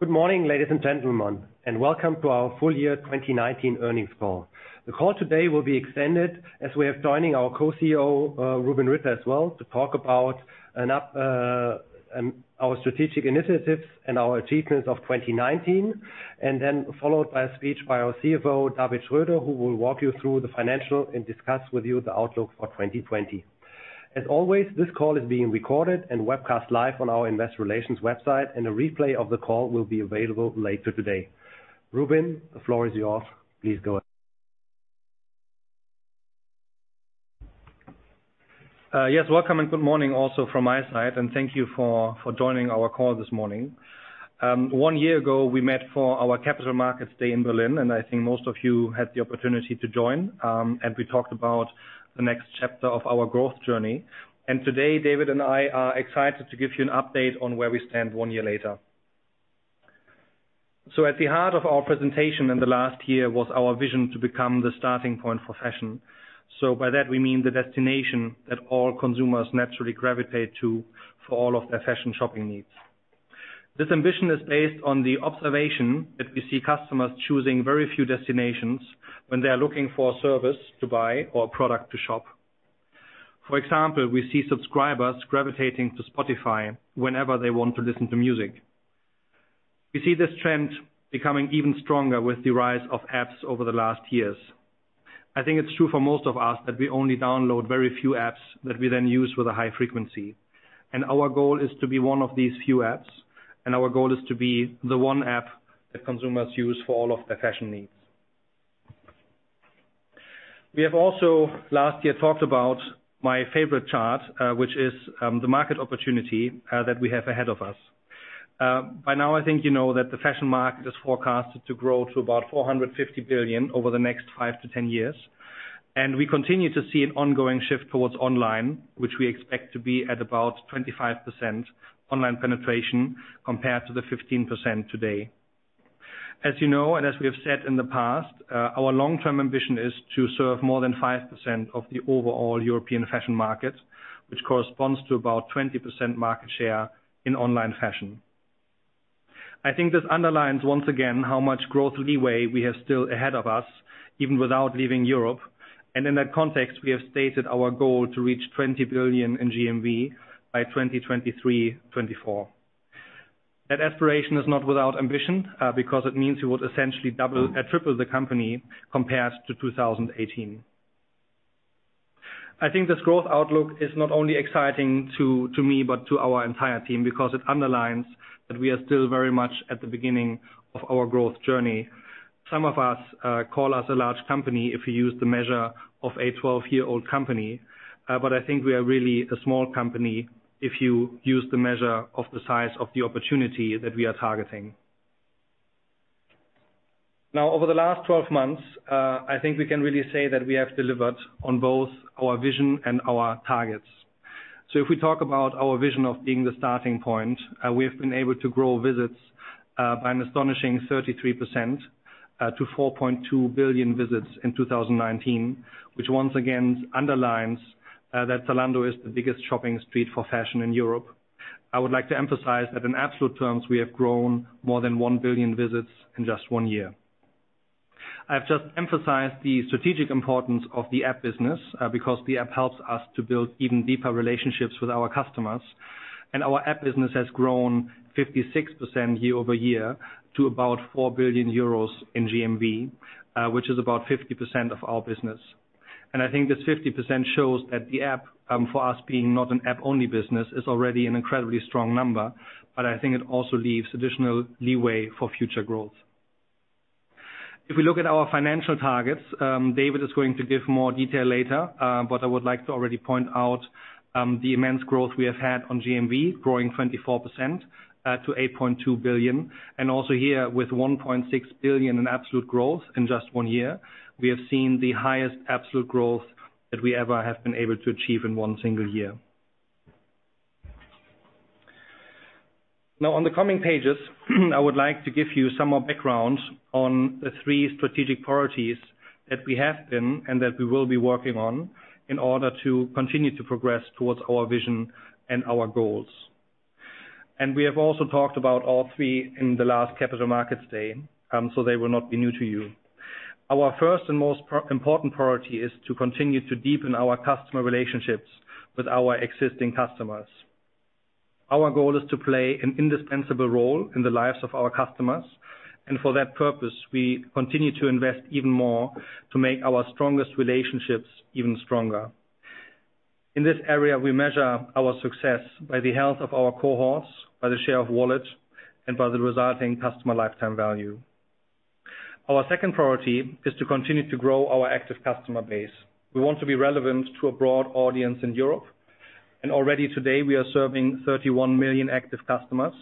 Good morning, ladies and gentlemen, welcome to our full year 2019 earnings call. The call today will be extended as we are joining our Co-CEO, Rubin Ritter, as well, to talk about our strategic initiatives and our achievements of 2019. Then followed by a speech by our CFO, David Schröder, who will walk you through the financial and discuss with you the outlook for 2020. As always, this call is being recorded and webcast live on our investor relations website, a replay of the call will be available later today. Rubin, the floor is yours. Please go ahead. Yes, welcome and good morning also from my side, and thank you for joining our call this morning. One year ago, we met for our Capital Markets Day in Berlin, I think most of you had the opportunity to join. We talked about the next chapter of our growth journey. Today, David and I are excited to give you an update on where we stand one year later. At the heart of our presentation in the last year was our vision to become the starting point for fashion. By that, we mean the destination that all consumers naturally gravitate to for all of their fashion shopping needs. This ambition is based on the observation that we see customers choosing very few destinations when they are looking for a service to buy or a product to shop. For example, we see subscribers gravitating to Spotify whenever they want to listen to music. We see this trend becoming even stronger with the rise of apps over the last years. I think it's true for most of us that we only download very few apps that we then use with a high frequency. Our goal is to be one of these few apps, and our goal is to be the one app that consumers use for all of their fashion needs. We have also last year talked about my favorite chart, which is the market opportunity that we have ahead of us. By now, I think you know that the fashion market is forecasted to grow to about 450 billion over the next five to 10 years. We continue to see an ongoing shift towards online, which we expect to be at about 25% online penetration compared to the 15% today. As you know, and as we have said in the past, our long-term ambition is to serve more than 5% of the overall European fashion market, which corresponds to about 20% market share in online fashion. I think this underlines once again how much growth leeway we have still ahead of us, even without leaving Europe. In that context, we have stated our goal to reach 20 billion in GMV by 2023, 2024. That aspiration is not without ambition because it means we would essentially triple the company compared to 2018. I think this growth outlook is not only exciting to me, but to our entire team because it underlines that we are still very much at the beginning of our growth journey. Some of us call us a large company if you use the measure of a 12-year-old company. I think we are really a small company if you use the measure of the size of the opportunity that we are targeting. Now, over the last 12 months, I think we can really say that we have delivered on both our vision and our targets. If we talk about our vision of being the starting point, we have been able to grow visits by an astonishing 33% to 4.2 billion visits in 2019. Which once again underlines that Zalando is the biggest shopping street for fashion in Europe. I would like to emphasize that in absolute terms, we have grown more than 1 billion visits in just one year. I have just emphasized the strategic importance of the app business because the app helps us to build even deeper relationships with our customers. Our app business has grown 56% year-over-year to about 4 billion euros in GMV, which is about 50% of our business. I think this 50% shows that the app for us being not an app-only business is already an incredibly strong number, but I think it also leaves additional leeway for future growth. If we look at our financial targets, David is going to give more detail later. I would like to already point out the immense growth we have had on GMV, growing 24% to 8.2 billion. Also here with 1.6 billion in absolute growth in just one year. We have seen the highest absolute growth that we ever have been able to achieve in one single year. Now on the coming pages, I would like to give you some more background on the three strategic priorities that we have been and that we will be working on in order to continue to progress towards our vision and our goals. We have also talked about all three in the last Capital Markets Day, so they will not be new to you. Our first and most important priority is to continue to deepen our customer relationships with our existing customers. Our goal is to play an indispensable role in the lives of our customers. For that purpose, we continue to invest even more to make our strongest relationships even stronger. In this area, we measure our success by the health of our cohorts, by the share of wallet, and by the resulting customer lifetime value. Our second priority is to continue to grow our active customer base. We want to be relevant to a broad audience in Europe. Already today we are serving 31 million active customers.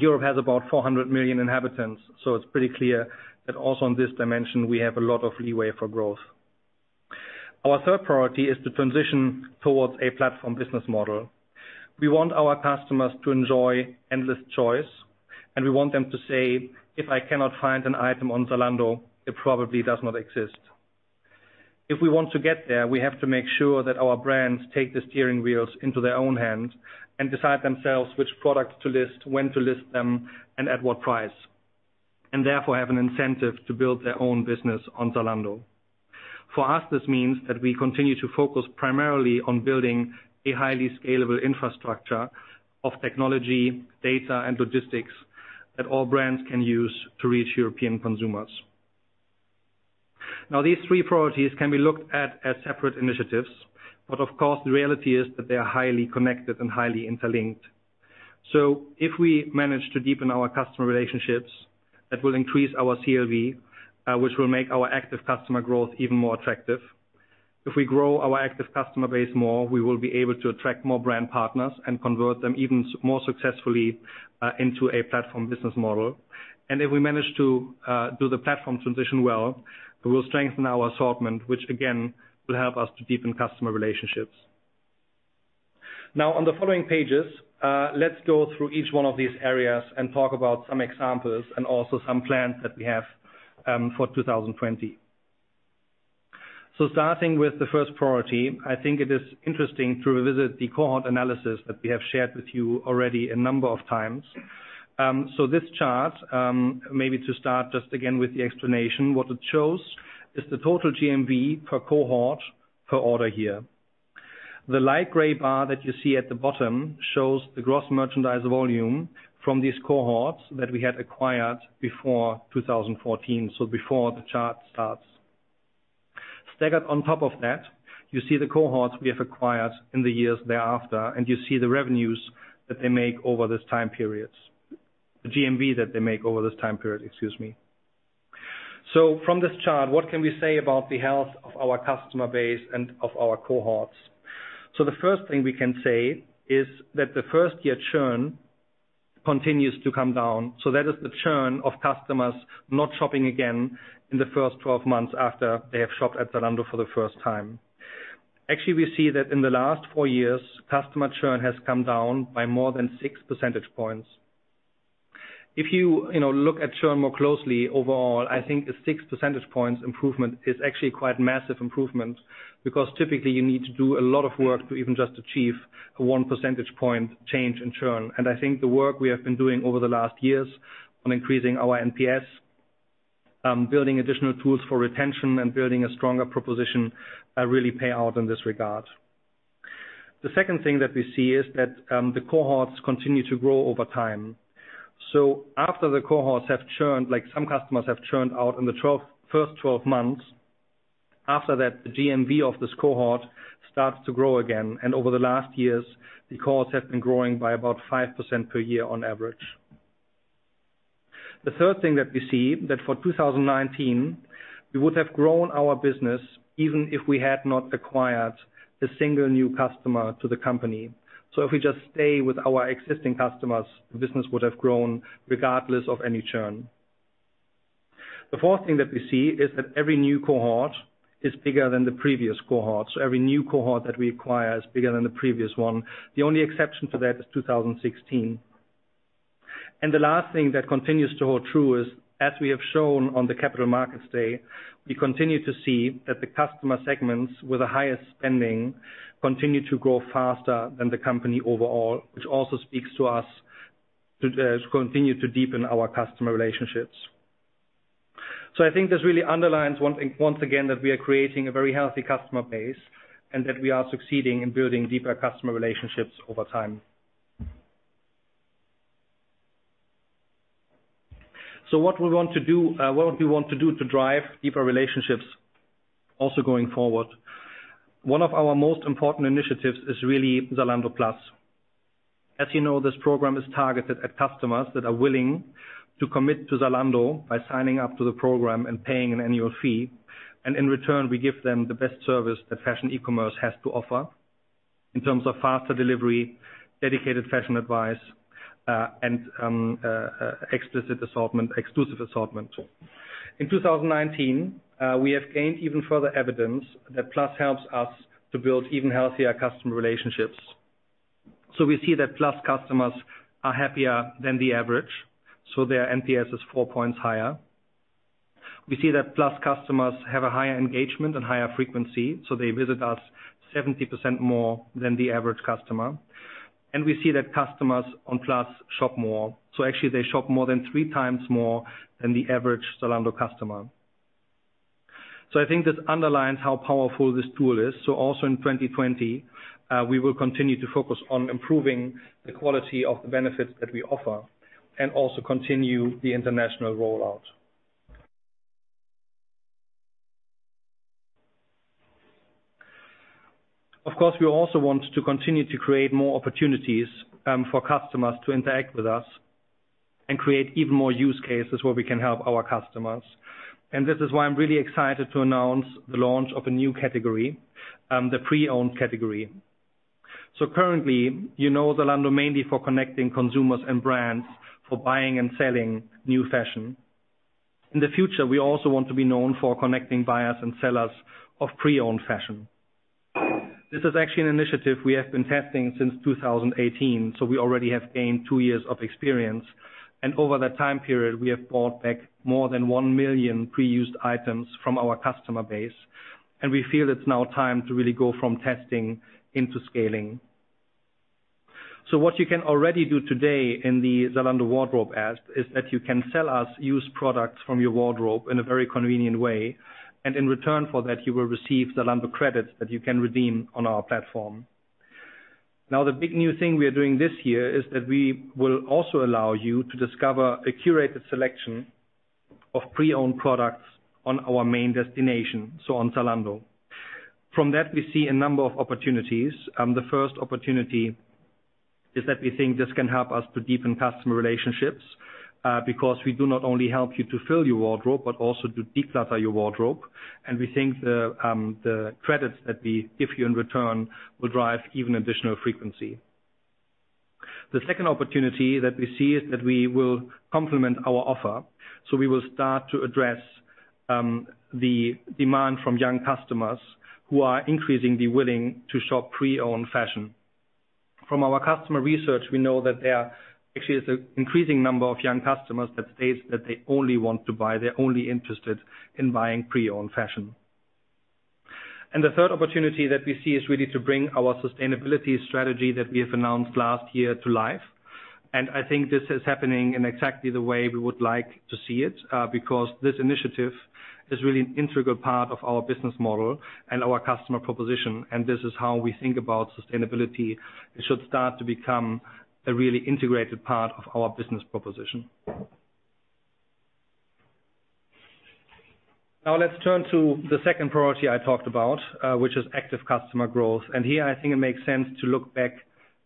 Europe has about 400 million inhabitants, it's pretty clear that also in this dimension, we have a lot of leeway for growth. Our third priority is to transition towards a platform business model. We want our customers to enjoy endless choice, and we want them to say, "If I cannot find an item on Zalando, it probably does not exist." If we want to get there, we have to make sure that our brands take the steering wheels into their own hands and decide themselves which products to list, when to list them, and at what price, and therefore have an incentive to build their own business on Zalando. For us, this means that we continue to focus primarily on building a highly scalable infrastructure of technology, data, and logistics that all brands can use to reach European consumers. These three priorities can be looked at as separate initiatives, but of course, the reality is that they are highly connected and highly interlinked. If we manage to deepen our customer relationships, that will increase our CLV, which will make our active customer growth even more attractive. If we grow our active customer base more, we will be able to attract more brand partners and convert them even more successfully into a platform business model. If we manage to do the platform transition well, we will strengthen our assortment, which again, will help us to deepen customer relationships. On the following pages, let's go through each one of these areas and talk about some examples and also some plans that we have for 2020. Starting with the first priority, I think it is interesting to revisit the cohort analysis that we have shared with you already a number of times. This chart, maybe to start just again with the explanation, what it shows is the total GMV per cohort per order year. The light gray bar that you see at the bottom shows the gross merchandise volume from these cohorts that we had acquired before 2014, so before the chart starts. Stacked up on top of that, you see the cohorts we have acquired in the years thereafter, and you see the revenues that they make over this time periods. The GMV that they make over this time period, excuse me. From this chart, what can we say about the health of our customer base and of our cohorts? The first thing we can say is that the first-year churn continues to come down. That is the churn of customers not shopping again in the first 12 months after they have shopped at Zalando for the first time. Actually, we see that in the last four years, customer churn has come down by more than six percentage points. If you look at churn more closely overall, I think a six percentage points improvement is actually quite a massive improvement because typically you need to do a lot of work to even just achieve a one percentage point change in churn. I think the work we have been doing over the last years on increasing our NPS, building additional tools for retention and building a stronger proposition, really pay out in this regard. The second thing that we see is that the cohorts continue to grow over time. After the cohorts have churned, like some customers have churned out in the first 12 months, after that, the GMV of this cohort starts to grow again. Over the last years, the cohorts have been growing by about 5% per year on average. The third thing that we see that for 2019, we would have grown our business even if we had not acquired a single new customer to the company. If we just stay with our existing customers, the business would have grown regardless of any churn. The fourth thing that we see is that every new cohort is bigger than the previous cohort. Every new cohort that we acquire is bigger than the previous one. The only exception to that is 2016. The last thing that continues to hold true is, as we have shown on the Capital Markets Day, we continue to see that the customer segments with the highest spending continue to grow faster than the company overall, which also speaks to us to continue to deepen our customer relationships. I think this really underlines once again, that we are creating a very healthy customer base and that we are succeeding in building deeper customer relationships over time. What we want to do to drive deeper relationships also going forward, one of our most important initiatives is really Zalando Plus. As you know, this program is targeted at customers that are willing to commit to Zalando by signing up to the program and paying an annual fee. In return, we give them the best service that fashion e-commerce has to offer in terms of faster delivery, dedicated fashion advice, and exclusive assortment. In 2019, we have gained even further evidence that Plus helps us to build even healthier customer relationships. We see that Plus customers are happier than the average, their NPS is four points higher. We see that Plus customers have a higher engagement and higher frequency, they visit us 70% more than the average customer. We see that customers on Plus shop more. Actually, they shop more than three times more than the average Zalando customer. I think this underlines how powerful this tool is. Also in 2020, we will continue to focus on improving the quality of the benefits that we offer and also continue the international rollout. Of course, we also want to continue to create more opportunities for customers to interact with us and create even more use cases where we can help our customers. This is why I'm really excited to announce the launch of a new category, the pre-owned category. Currently, you know Zalando mainly for connecting consumers and brands for buying and selling new fashion. In the future, we also want to be known for connecting buyers and sellers of pre-owned fashion. This is actually an initiative we have been testing since 2018. We already have gained two years of experience. Over that time period, we have bought back more than one million pre-used items from our customer base. We feel it's now time to really go from testing into scaling. What you can already do today in the Zalando Wardrobe app, is that you can sell us used products from your wardrobe in a very convenient way. In return for that, you will receive Zalando credits that you can redeem on our platform. The big new thing we are doing this year is that we will also allow you to discover a curated selection of pre-owned products on our main destination, so on Zalando. From that, we see a number of opportunities. The first opportunity is that we think this can help us to deepen customer relationships, because we do not only help you to fill your wardrobe, but also to declutter your wardrobe. We think the credits that we give you in return will drive even additional frequency. The second opportunity that we see is that we will complement our offer. We will start to address the demand from young customers who are increasingly willing to shop pre-owned fashion. From our customer research, we know that there actually is an increasing number of young customers that states that they only want to buy, they're only interested in buying pre-owned fashion. The third opportunity that we see is really to bring our sustainability strategy that we have announced last year to life. I think this is happening in exactly the way we would like to see it, because this initiative is really an integral part of our business model and our customer proposition. This is how we think about sustainability. It should start to become a really integrated part of our business proposition. Let's turn to the second priority I talked about, which is active customer growth. Here, I think it makes sense to look back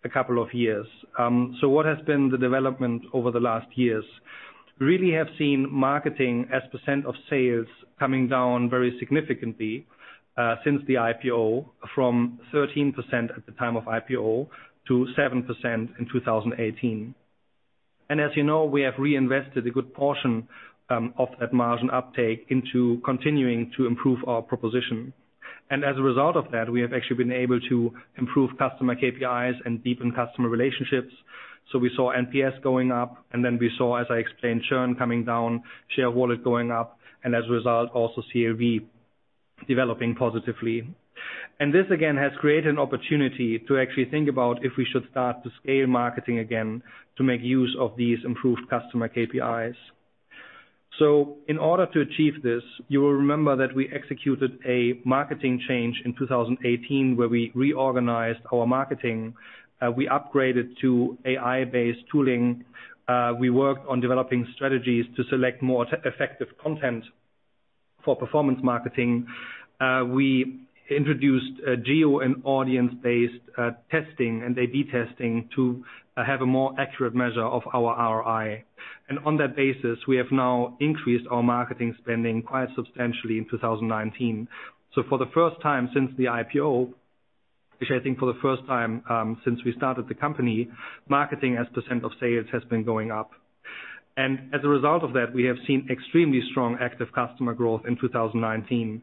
a couple of years. What has been the development over the last years? Really have seen marketing as percent of sales coming down very significantly since the IPO from 13% at the time of IPO to 7% in 2018. As you know, we have reinvested a good portion of that margin uptake into continuing to improve our proposition. As a result of that, we have actually been able to improve customer KPIs and deepen customer relationships. We saw NPS going up, and then we saw, as I explained, churn coming down, share wallet going up, and as a result, also CLV developing positively. This again has created an opportunity to actually think about if we should start to scale marketing again to make use of these improved customer KPIs. In order to achieve this, you will remember that we executed a marketing change in 2018 where we reorganized our marketing. We upgraded to AI-based tooling. We worked on developing strategies to select more effective content for performance marketing. We introduced geo and audience-based testing and A/B testing to have a more accurate measure of our ROI. On that basis, we have now increased our marketing spending quite substantially in 2019. For the first time since the IPO, which I think for the first time since we started the company, marketing as percent of sales has been going up. As a result of that, we have seen extremely strong active customer growth in 2019.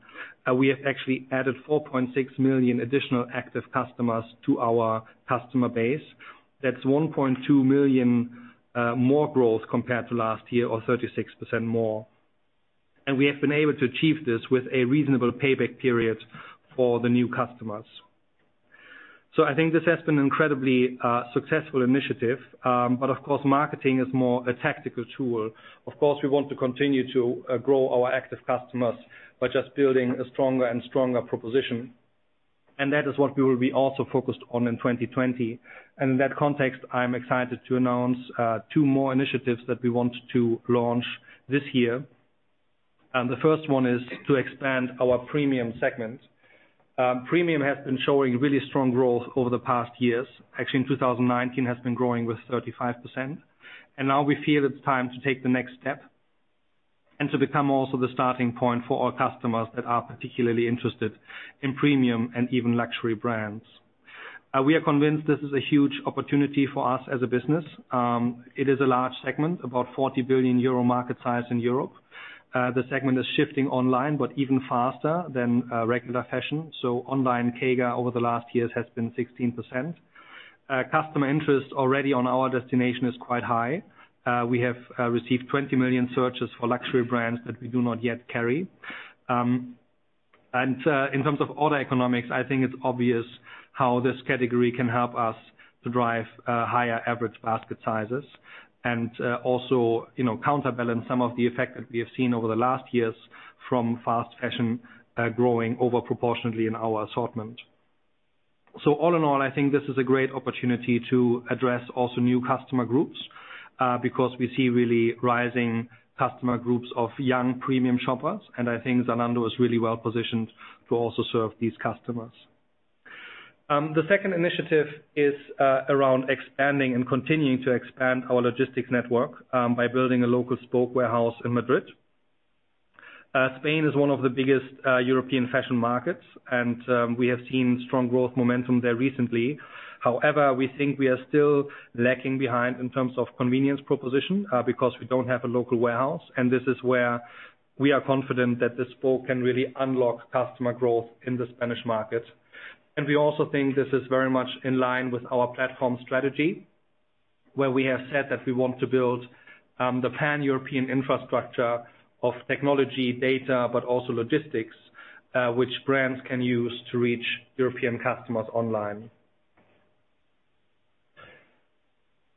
We have actually added 4.6 million additional active customers to our customer base. That's 1.2 million more growth compared to last year or 36% more. We have been able to achieve this with a reasonable payback period for the new customers. I think this has been an incredibly successful initiative. Of course, marketing is more a tactical tool. Of course, we want to continue to grow our active customers by just building a stronger and stronger proposition. That is what we will be also focused on in 2020. In that context, I'm excited to announce two more initiatives that we want to launch this year. The first one is to expand our premium segment. Premium has been showing really strong growth over the past years. Actually, in 2019 has been growing with 35%. Now we feel it's time to take the next step and to become also the starting point for our customers that are particularly interested in premium and even luxury brands. We are convinced this is a huge opportunity for us as a business. It is a large segment, about 40 billion euro market size in Europe. The segment is shifting online, even faster than regular fashion. Online CAGR over the last years has been 16%. Customer interest already on our destination is quite high. We have received 20 million searches for luxury brands that we do not yet carry. In terms of order economics, I think it's obvious how this category can help us to drive higher average basket sizes and also counterbalance some of the effect that we have seen over the last years from fast fashion growing over proportionally in our assortment. All in all, I think this is a great opportunity to address also new customer groups, because we see really rising customer groups of young premium shoppers, and I think Zalando is really well positioned to also serve these customers. The second initiative is around expanding and continuing to expand our logistics network by building a local spoke warehouse in Madrid. Spain is one of the biggest European fashion markets, and we have seen strong growth momentum there recently. However, we think we are still lacking behind in terms of convenience proposition because we don't have a local warehouse, and this is where we are confident that this spoke can really unlock customer growth in the Spanish market. We also think this is very much in line with our platform strategy. Where we have said that we want to build the Pan-European infrastructure of technology data, but also logistics, which brands can use to reach European customers online.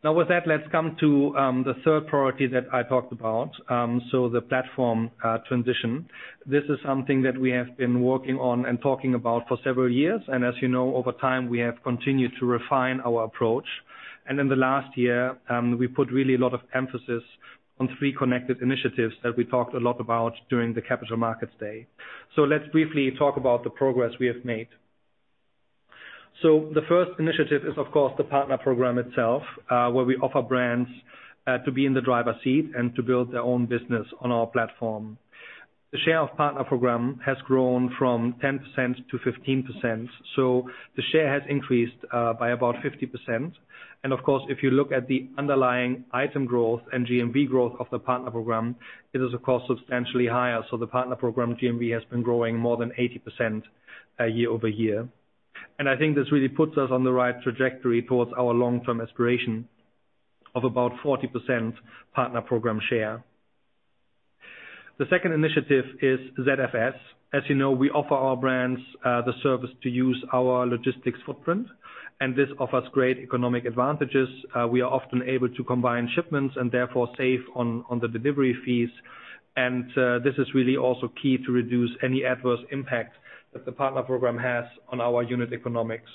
With that, let's come to the third priority that I talked about. The platform transition. This is something that we have been working on and talking about for several years. As you know, over time, we have continued to refine our approach. In the last year, we put really a lot of emphasis on three connected initiatives that we talked a lot about during the Capital Markets Day. Let's briefly talk about the progress we have made. The first initiative is, of course, the Partner Program itself, where we offer brands to be in the driver's seat and to build their own business on our platform. The share of Partner Program has grown from 10% to 15%. The share has increased by about 50%. Of course, if you look at the underlying item growth and GMV growth of the Partner Program, it is of course substantially higher. The Partner Program GMV has been growing more than 80% year-over-year. I think this really puts us on the right trajectory towards our long-term aspiration of about 40% Partner Program share. The second initiative is ZFS. As you know, we offer our brands the service to use our logistics footprint, and this offers great economic advantages. We are often able to combine shipments and therefore save on the delivery fees. This is really also key to reduce any adverse impact that the partner program has on our unit economics.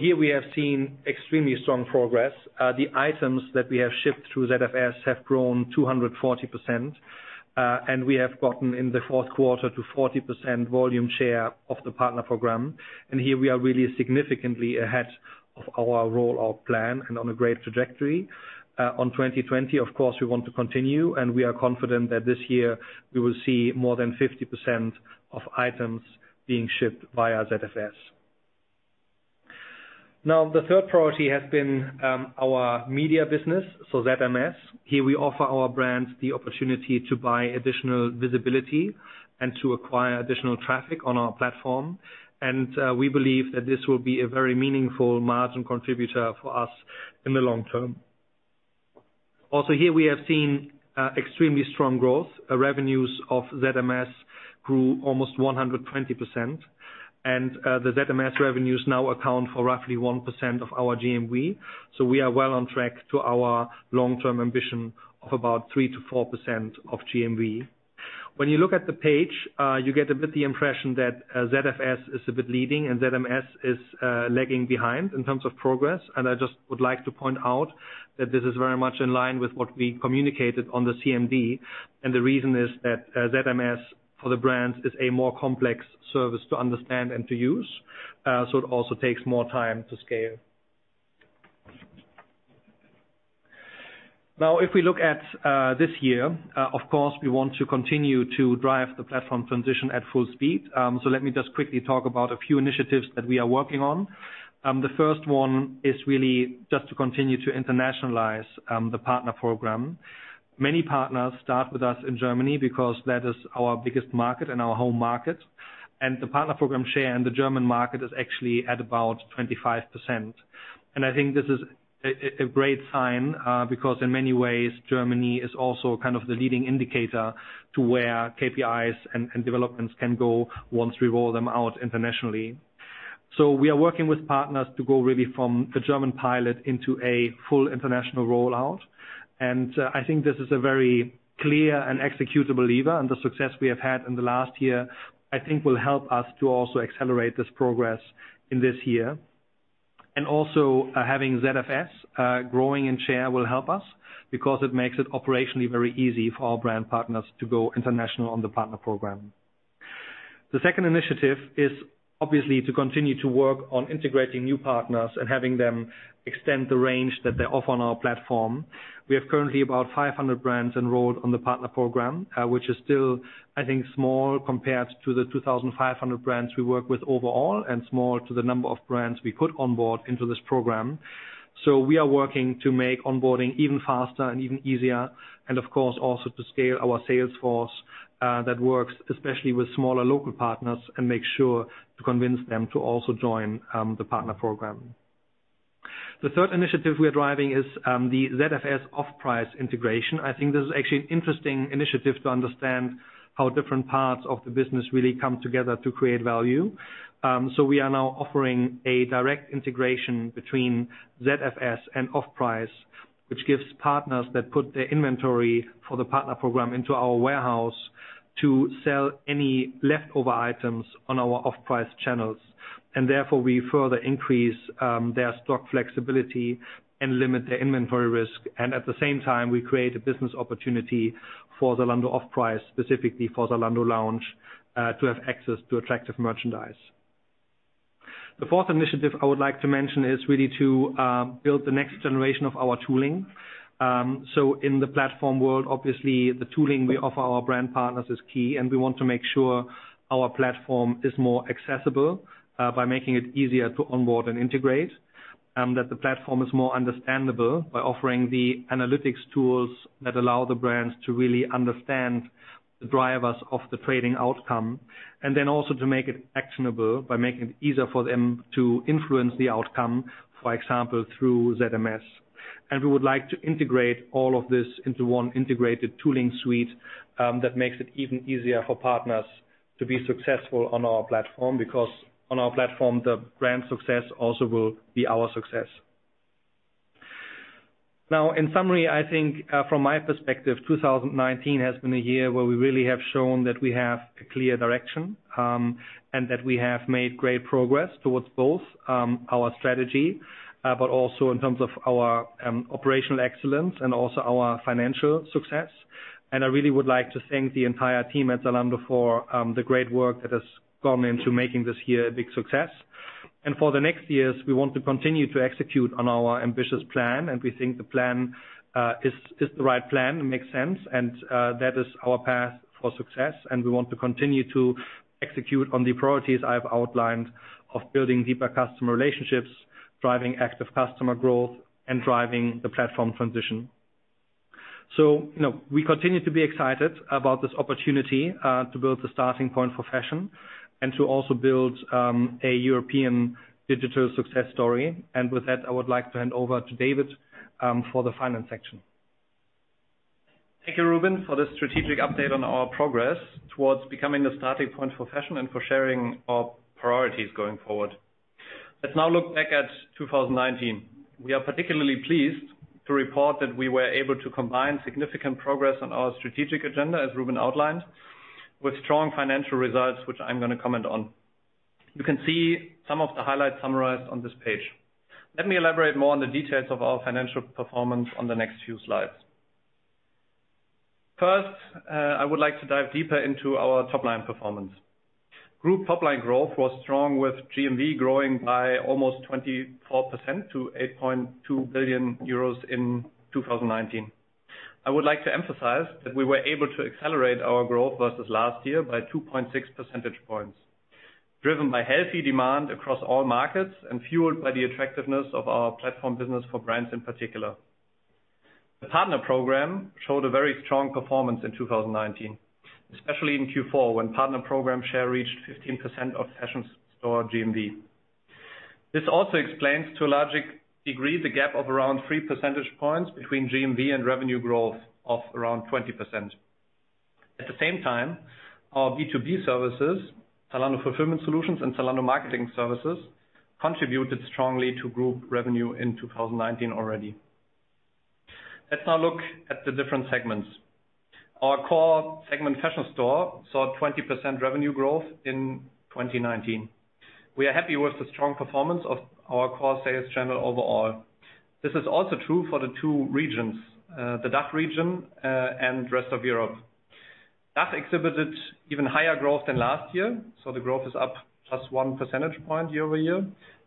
Here we have seen extremely strong progress. The items that we have shipped through ZFS have grown 240%, and we have gotten in the fourth quarter to 40% volume share of the partner program. Here we are really significantly ahead of our rollout plan and on a great trajectory. On 2020, of course, we want to continue, and we are confident that this year we will see more than 50% of items being shipped via ZFS. The third priority has been our media business, so ZMS. Here we offer our brands the opportunity to buy additional visibility and to acquire additional traffic on our platform. We believe that this will be a very meaningful margin contributor for us in the long term. Here we have seen extremely strong growth. Revenues of ZMS grew almost 120%. The ZMS revenues now account for roughly 1% of our GMV. We are well on track to our long-term ambition of about 3%-4% of GMV. When you look at the page, you get a bit the impression that ZFS is a bit leading and ZMS is lagging behind in terms of progress. I just would like to point out that this is very much in line with what we communicated on the CMD, and the reason is that ZMS for the brands is a more complex service to understand and to use. It also takes more time to scale. If we look at this year, of course, we want to continue to drive the platform transition at full speed. Let me just quickly talk about a few initiatives that we are working on. The first one is really just to continue to internationalize the partner program. Many partners start with us in Germany because that is our biggest market and our home market. The partner program share in the German market is actually at about 25%. I think this is a great sign, because in many ways, Germany is also kind of the leading indicator to where KPIs and developments can go once we roll them out internationally. We are working with partners to go really from the German pilot into a full international rollout. I think this is a very clear and executable lever. The success we have had in the last year, I think will help us to also accelerate this progress in this year. Also having ZFS growing in share will help us because it makes it operationally very easy for our brand partners to go international on the Partner Program. The second initiative is obviously to continue to work on integrating new partners and having them extend the range that they offer on our platform. We have currently about 500 brands enrolled on the Partner Program, which is still, I think, small compared to the 2,500 brands we work with overall and small to the number of brands we put on board into this program. We are working to make onboarding even faster and even easier, and of course, also to scale our sales force that works especially with smaller local partners and make sure to convince them to also join the Partner Program. The third initiative we are driving is the ZFS Offprice integration. I think this is actually an interesting initiative to understand how different parts of the business really come together to create value. We are now offering a direct integration between ZFS and Offprice, which gives partners that put their inventory for the partner program into our warehouse to sell any leftover items on our Offprice channels. Therefore, we further increase their stock flexibility and limit their inventory risk. At the same time, we create a business opportunity for Zalando Offprice, specifically for Zalando Lounge, to have access to attractive merchandise. The fourth initiative I would like to mention is really to build the next generation of our tooling. In the platform world, obviously the tooling we offer our brand partners is key, and we want to make sure our platform is more accessible by making it easier to onboard and integrate. That the platform is more understandable by offering the analytics tools that allow the brands to really understand the drivers of the trading outcome. Then also to make it actionable by making it easier for them to influence the outcome, for example, through ZMS. We would like to integrate all of this into one integrated tooling suite that makes it even easier for partners to be successful on our platform, because on our platform, the brand success also will be our success. In summary, I think from my perspective, 2019 has been a year where we really have shown that we have a clear direction, and that we have made great progress towards both our strategy, but also in terms of our operational excellence and also our financial success. I really would like to thank the entire team at Zalando for the great work that has gone into making this year a big success. For the next years, we want to continue to execute on our ambitious plan, and we think the plan is the right plan, it makes sense, and that is our path for success, and we want to continue to execute on the priorities I've outlined of building deeper customer relationships, driving active customer growth, and driving the platform transition. We continue to be excited about this opportunity to build the starting point for fashion and to also build a European digital success story. With that, I would like to hand over to David for the finance section. Thank you, Rubin, for the strategic update on our progress towards becoming the starting point for fashion and for sharing our priorities going forward. Let's now look back at 2019. We are particularly pleased to report that we were able to combine significant progress on our strategic agenda, as Rubin outlined, with strong financial results, which I'm going to comment on. You can see some of the highlights summarized on this page. Let me elaborate more on the details of our financial performance on the next few slides. First, I would like to dive deeper into our top-line performance. Group top-line growth was strong with GMV growing by almost 24% to 8.2 billion euros in 2019. I would like to emphasize that we were able to accelerate our growth versus last year by 2.6 percentage points, driven by healthy demand across all markets and fueled by the attractiveness of our platform business for brands in particular. The partner program showed a very strong performance in 2019, especially in Q4 when partner program share reached 15% of Fashion Store GMV. This also explains, to a large degree, the gap of around three percentage points between GMV and revenue growth of around 20%. At the same time, our B2B services, Zalando Fulfillment Solutions and Zalando Marketing Services, contributed strongly to group revenue in 2019 already. Let's now look at the different segments. Our core segment, Fashion Store, saw 20% revenue growth in 2019. We are happy with the strong performance of our core sales channel overall. This is also true for the two regions, the DACH region and rest of Europe. DACH exhibited even higher growth than last year, the growth is up +1 percentage point year-over-year,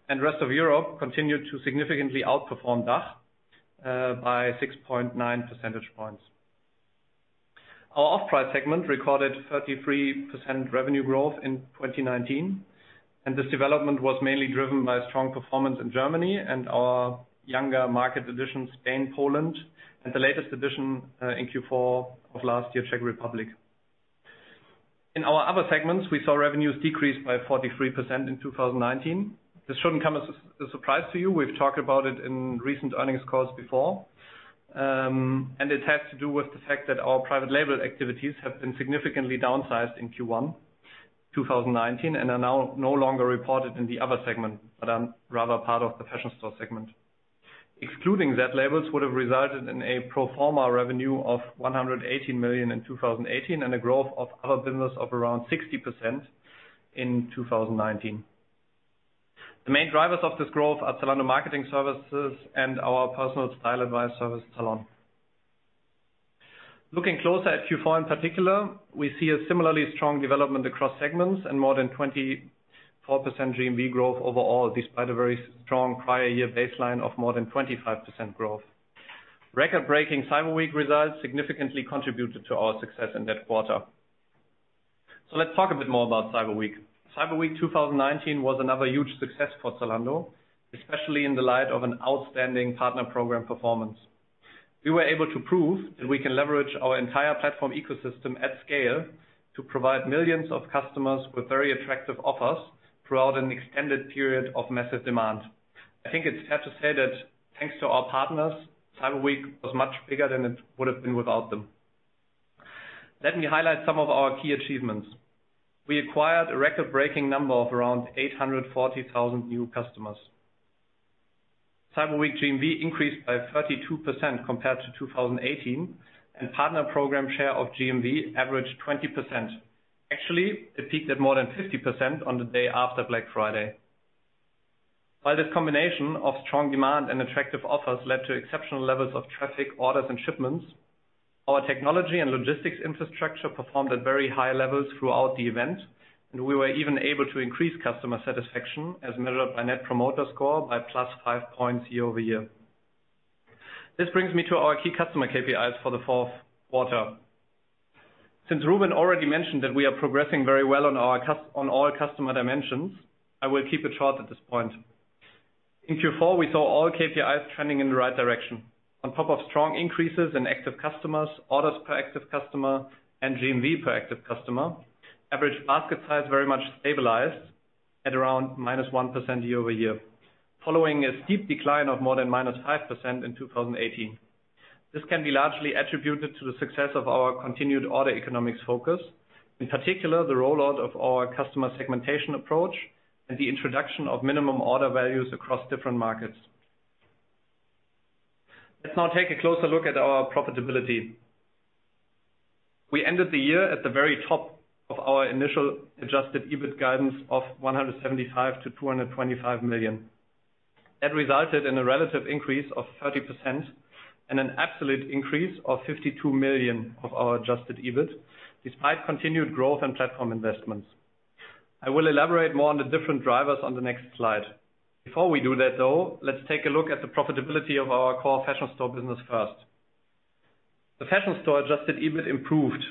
and rest of Europe continued to significantly outperform DACH by 6.9 percentage points. Our Offprice segment recorded 33% revenue growth in 2019, this development was mainly driven by strong performance in Germany and our younger market editions Spain, Poland, and the latest edition in Q4 of last year, Czech Republic. In our other segments, we saw revenues decrease by 43% in 2019. This shouldn't come as a surprise to you. We've talked about it in recent earnings calls before. It has to do with the fact that our private label activities have been significantly downsized in Q1 2019 and are now no longer reported in the other segment, but are rather part of the Fashion Store segment. Excluding zLabels would have resulted in a pro forma revenue of 118 million in 2018 and a growth of other business of around 60% in 2019. The main drivers of this growth are Zalando Marketing Services and our personal style advice service, Zalon. Looking closer at Q4 in particular, we see a similarly strong development across segments and more than 24% GMV growth overall, despite a very strong prior year baseline of more than 25% growth. Record-breaking Cyber Week results significantly contributed to our success in that quarter. Let's talk a bit more about Cyber Week. Cyber Week 2019 was another huge success for Zalando, especially in the light of an outstanding partner program performance. We were able to prove that we can leverage our entire platform ecosystem at scale to provide millions of customers with very attractive offers throughout an extended period of massive demand. I think it's fair to say that thanks to our partners, Cyber Week was much bigger than it would have been without them. Let me highlight some of our key achievements. We acquired a record-breaking number of around 840,000 new customers. Cyber Week GMV increased by 32% compared to 2018, and partner program share of GMV averaged 20%. Actually, it peaked at more than 50% on the day after Black Friday. While this combination of strong demand and attractive offers led to exceptional levels of traffic, orders, and shipments, our technology and logistics infrastructure performed at very high levels throughout the event, and we were even able to increase customer satisfaction as measured by Net Promoter Score by +5 points year-over-year. This brings me to our key customer KPIs for the fourth quarter. Since Rubin already mentioned that we are progressing very well on all customer dimensions, I will keep it short at this point. In Q4, we saw all KPIs trending in the right direction. On top of strong increases in active customers, orders per active customer, and GMV per active customer, average basket size very much stabilized at around -1% year-over-year, following a steep decline of more than -5% in 2018. This can be largely attributed to the success of our continued order economics focus, in particular, the rollout of our customer segmentation approach and the introduction of minimum order values across different markets. Let's now take a closer look at our profitability. We ended the year at the very top of our initial adjusted EBIT guidance of 175 million-225 million. That resulted in a relative increase of 30% and an absolute increase of 52 million of our adjusted EBIT, despite continued growth and platform investments. I will elaborate more on the different drivers on the next slide. Before we do that, though, let's take a look at the profitability of our core fashion store business first. The fashion store adjusted EBIT improved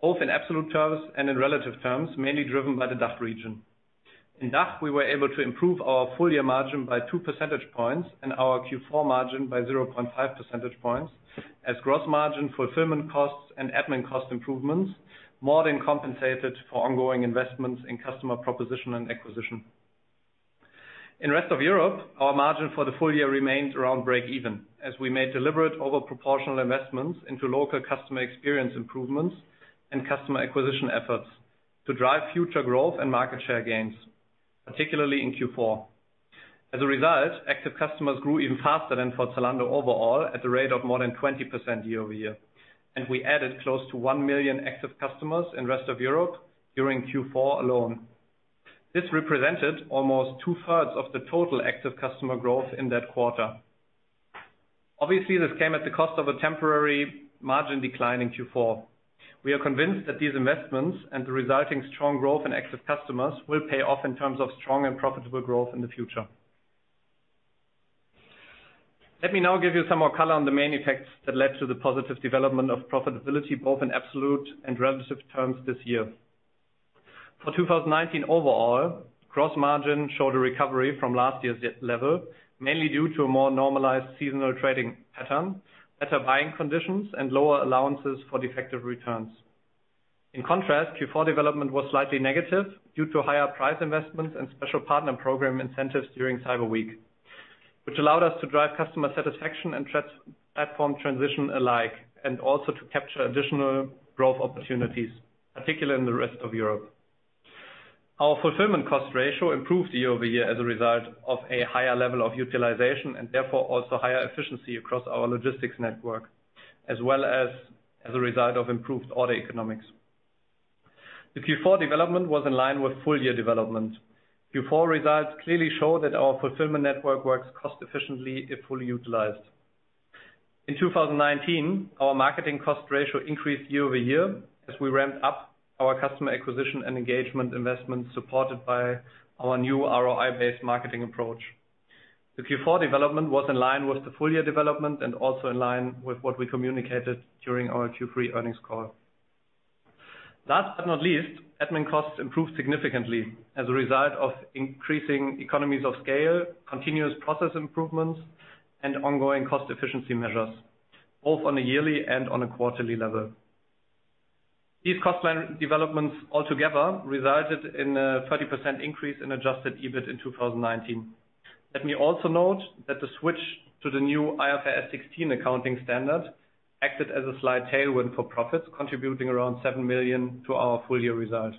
both in absolute terms and in relative terms, mainly driven by the DACH region. In DACH, we were able to improve our full-year margin by two percentage points and our Q4 margin by 0.5 percentage points as gross margin fulfillment costs and admin cost improvements more than compensated for ongoing investments in customer proposition and acquisition. In rest of Europe, our margin for the full year remains around breakeven, as we made deliberate overproportional investments into local customer experience improvements and customer acquisition efforts to drive future growth and market share gains, particularly in Q4. As a result, active customers grew even faster than for Zalando overall at a rate of more than 20% year-over-year. We added close to 1 million active customers in rest of Europe during Q4 alone. This represented almost 2/3 of the total active customer growth in that quarter. Obviously, this came at the cost of a temporary margin decline in Q4. We are convinced that these investments and the resulting strong growth in active customers will pay off in terms of strong and profitable growth in the future. Let me now give you some more color on the main effects that led to the positive development of profitability, both in absolute and relative terms this year. For 2019 overall, gross margin showed a recovery from last year's level, mainly due to a more normalized seasonal trading pattern, better buying conditions, and lower allowances for defective returns. In contrast, Q4 development was slightly negative due to higher price investments and special partner program incentives during Cyber Week, which allowed us to drive customer satisfaction and platform transition alike, and also to capture additional growth opportunities, particularly in the rest of Europe. Our fulfillment cost ratio improved year-over-year as a result of a higher level of utilization and therefore also higher efficiency across our logistics network, as well as a result of improved order economics. The Q4 development was in line with full-year development. Q4 results clearly show that our fulfillment network works cost efficiently if fully utilized. In 2019, our marketing cost ratio increased year-over-year as we ramped up our customer acquisition and engagement investment supported by our new ROI-based marketing approach. The Q4 development was in line with the full-year development and also in line with what we communicated during our Q3 earnings call. Last but not least, admin costs improved significantly as a result of increasing economies of scale, continuous process improvements, and ongoing cost efficiency measures, both on a yearly and on a quarterly level. These cost plan developments altogether resulted in a 30% increase in adjusted EBIT in 2019. Let me also note that the switch to the new IFRS 16 accounting standard acted as a slight tailwind for profits, contributing around seven million to our full-year result.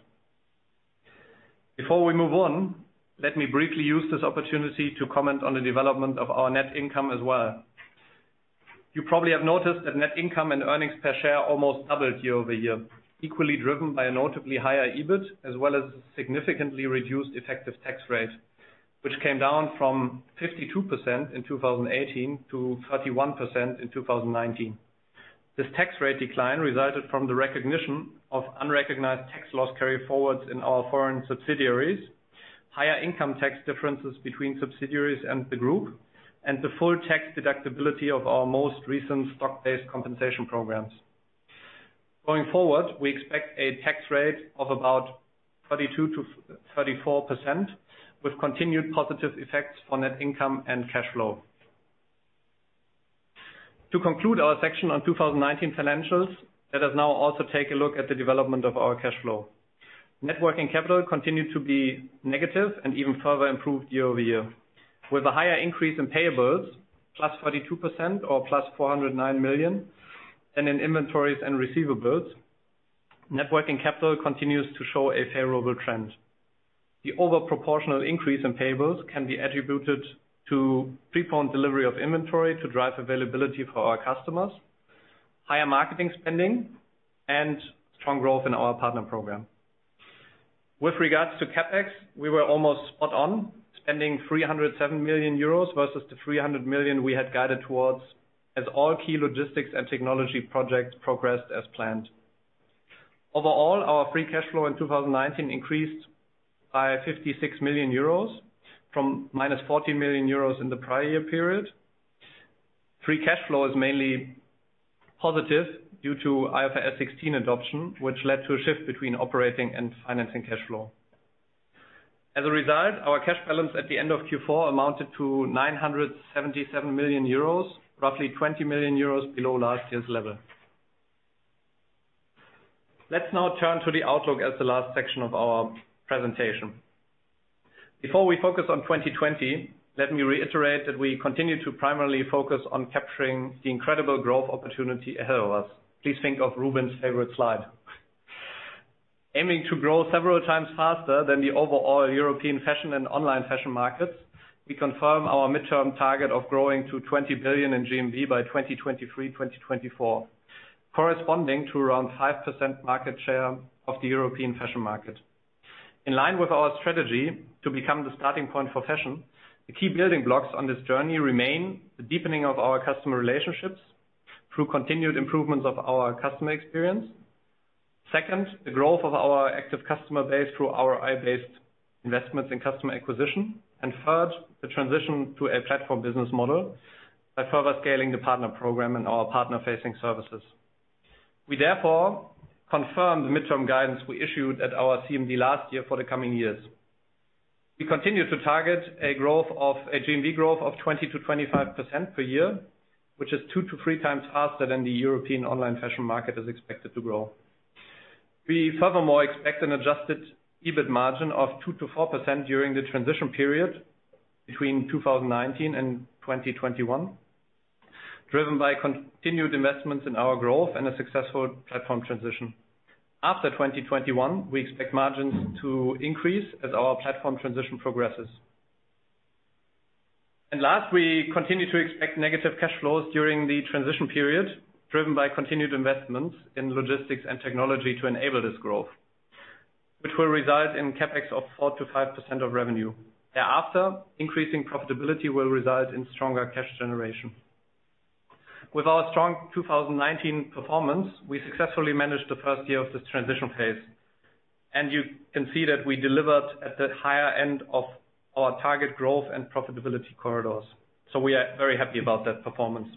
Before we move on, let me briefly use this opportunity to comment on the development of our net income as well. You probably have noticed that net income and earnings per share almost doubled year-over-year, equally driven by a notably higher EBIT as well as significantly reduced effective tax rate, which came down from 52% in 2018 to 31% in 2019. This tax rate decline resulted from the recognition of unrecognized tax loss carryforwards in our foreign subsidiaries, higher income tax differences between subsidiaries and the group, and the full tax deductibility of our most recent stock-based compensation programs. Going forward, we expect a tax rate of about 32%-34% with continued positive effects on net income and cash flow. To conclude our section on 2019 financials, let us now also take a look at the development of our cash flow. Net working capital continued to be negative and even further improved year-over-year. With a higher increase in payables, +42% or +409 million and in inventories and receivables, net working capital continues to show a favorable trend. The overproportional increase in payables can be attributed to pre-poned delivery of inventory to drive availability for our customers, higher marketing spending, and strong growth in our partner program. With regards to CapEx, we were almost spot on, spending 307 million euros versus the 300 million we had guided towards as all key logistics and technology projects progressed as planned. Overall, our free cash flow in 2019 increased by 56 million euros from -14 million euros in the prior year period. Free cash flow is mainly positive due to IFRS 16 adoption, which led to a shift between operating and financing cash flow. As a result, our cash balance at the end of Q4 amounted to 977 million euros, roughly 20 million euros below last year's level. Let's now turn to the outlook as the last section of our presentation. Before we focus on 2020, let me reiterate that we continue to primarily focus on capturing the incredible growth opportunity ahead of us. Please think of Rubin's favorite slide. Aiming to grow several times faster than the overall European fashion and online fashion markets, we confirm our midterm target of growing to 20 billion in GMV by 2023, 2024, corresponding to around 5% market share of the European fashion market. In line with our strategy to become the starting point for fashion, the key building blocks on this journey remain the deepening of our customer relationships through continued improvements of our customer experience. Second, the growth of our active customer base through ROI-based investments in customer acquisition. Third, the transition to a platform business model by further scaling the partner program and our partner-facing services. We therefore confirm the midterm guidance we issued at our CMD last year for the coming years. We continue to target a GMV growth of 20%-25% per year, which is two to three times faster than the European online fashion market is expected to grow. We furthermore expect an adjusted EBIT margin of 2%-4% during the transition period between 2019 and 2021, driven by continued investments in our growth and a successful platform transition. After 2021, we expect margins to increase as our platform transition progresses. Last, we continue to expect negative cash flows during the transition period, driven by continued investments in logistics and technology to enable this growth, which will result in CapEx of 4%-5% of revenue. Thereafter, increasing profitability will result in stronger cash generation. With our strong 2019 performance, we successfully managed the first year of this transition phase, and you can see that we delivered at the higher end of our target growth and profitability corridors. We are very happy about that performance.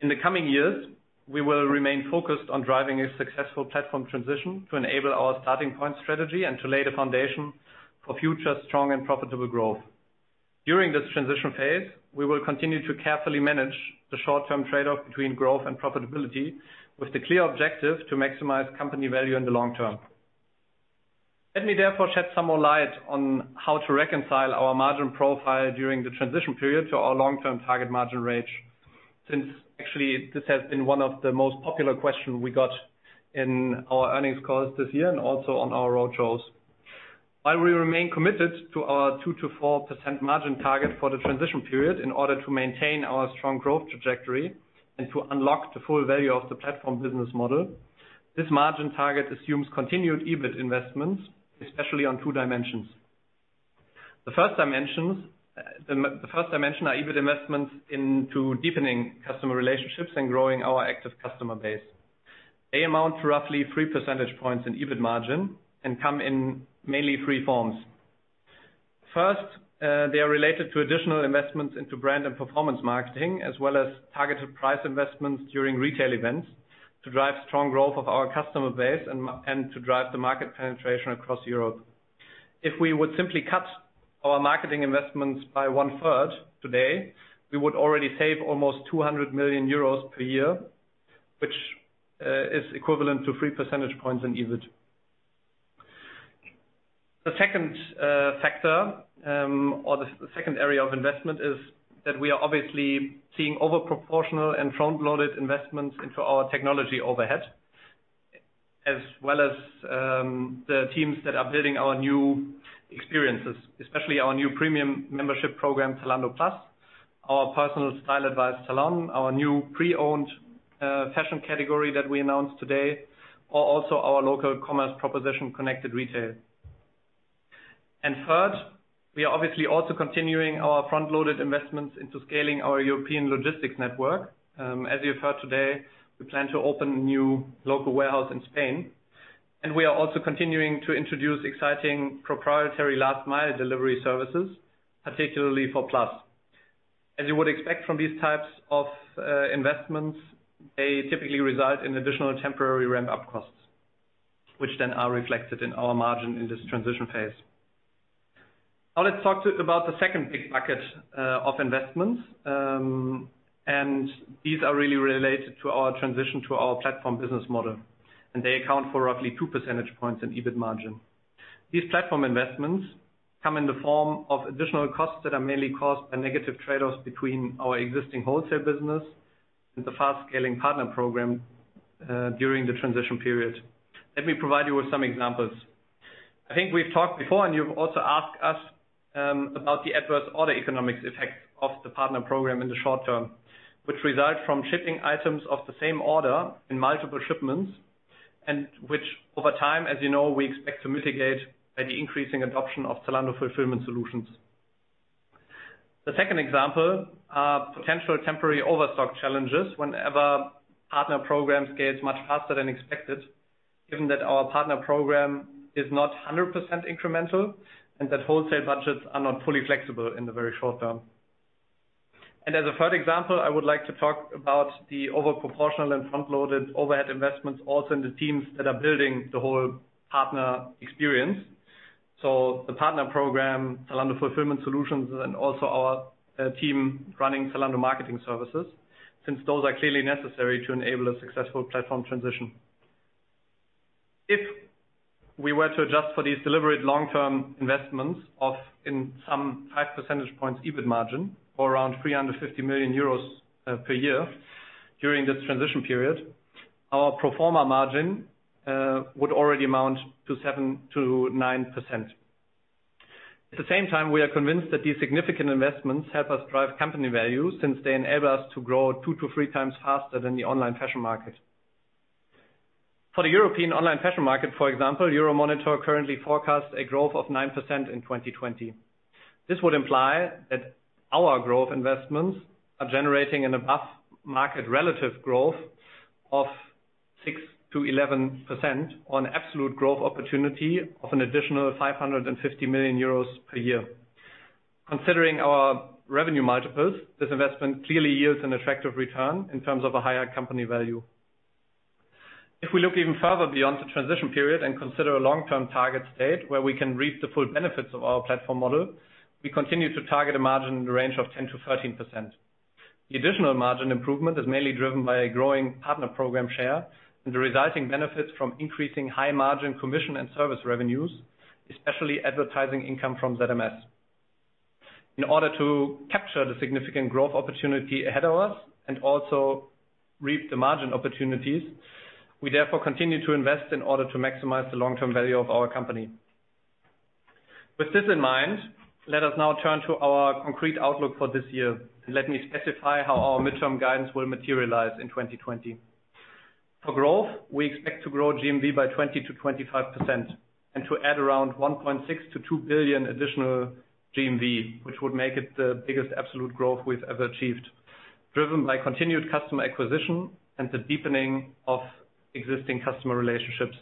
In the coming years, we will remain focused on driving a successful platform transition to enable our starting point strategy and to lay the foundation for future strong and profitable growth. During this transition phase, we will continue to carefully manage the short-term trade-off between growth and profitability with the clear objective to maximize company value in the long term. Let me therefore shed some more light on how to reconcile our margin profile during the transition period to our long-term target margin range, since actually this has been one of the most popular question we got in our earnings calls this year and also on our road shows. While we remain committed to our 2%-4% margin target for the transition period in order to maintain our strong growth trajectory and to unlock the full value of the platform business model, this margin target assumes continued EBIT investments, especially on two dimensions. The first dimension are EBIT investments into deepening customer relationships and growing our active customer base. They amount to roughly three percentage points in EBIT margin and come in mainly three forms. First, they are related to additional investments into brand and performance marketing, as well as targeted price investments during retail events to drive strong growth of our customer base and to drive the market penetration across Europe. If we would simply cut our marketing investments by one-third today, we would already save almost 200 million euros per year, which is equivalent to three percentage points in EBIT. The second factor, or the second area of investment, is that we are obviously seeing overproportional and front-loaded investments into our technology overhead, as well as the teams that are building our new experiences, especially our new premium membership program, Zalando Plus, our personal style advice Zalon, our new pre-owned fashion category that we announced today, or also our local commerce proposition Connected Retail. Third, we are obviously also continuing our front-loaded investments into scaling our European logistics network. As you have heard today, we plan to open a new local warehouse in Spain, and we are also continuing to introduce exciting proprietary last mile delivery services, particularly for Plus. As you would expect from these types of investments, they typically result in additional temporary ramp-up costs, which then are reflected in our margin in this transition phase. Let's talk about the second big bucket of investments. These are really related to our transition to our platform business model, and they account for roughly two percentage points in EBIT margin. These platform investments come in the form of additional costs that are mainly caused by negative trade-offs between our existing wholesale business and the fast-scaling partner program during the transition period. Let me provide you with some examples. I think we've talked before and you've also asked us about the adverse order economics effects of the partner program in the short term, which result from shipping items of the same order in multiple shipments and which over time, as you know, we expect to mitigate by the increasing adoption of Zalando Fulfillment Solutions. The second example are potential temporary overstock challenges whenever partner program scales much faster than expected, given that our partner program is not 100% incremental and that wholesale budgets are not fully flexible in the very short term. As a third example, I would like to talk about the overproportional and front-loaded overhead investments also in the teams that are building the whole partner experience. The partner program, Zalando Fulfillment Solutions, and also our team running Zalando Marketing Services, since those are clearly necessary to enable a successful platform transition. If we were to adjust for these deliberate long-term investments of in some five percentage points EBIT margin or around 350 million euros per year during this transition period, our pro forma margin would already amount to 7%-9%. At the same time, we are convinced that these significant investments help us drive company value since they enable us to grow two to three times faster than the online fashion market. For the European online fashion market, for example, Euromonitor currently forecasts a growth of 9% in 2020. This would imply that our growth investments are generating an above-market relative growth of 6%-11% on absolute growth opportunity of an additional 550 million euros per year. Considering our revenue multiples, this investment clearly yields an attractive return in terms of a higher company value. If we look even further beyond the transition period and consider a long-term target state where we can reap the full benefits of our platform model, we continue to target a margin in the range of 10%-13%. The additional margin improvement is mainly driven by a growing partner program share and the resulting benefits from increasing high-margin commission and service revenues, especially advertising income from ZMS. In order to capture the significant growth opportunity ahead of us and also reap the margin opportunities, we therefore continue to invest in order to maximize the long-term value of our company. With this in mind, let us now turn to our concrete outlook for this year, and let me specify how our midterm guidance will materialize in 2020. For growth, we expect to grow GMV by 20%-25% and to add around 1.6 billion-2 billion additional GMV, which would make it the biggest absolute growth we've ever achieved, driven by continued customer acquisition and the deepening of existing customer relationships.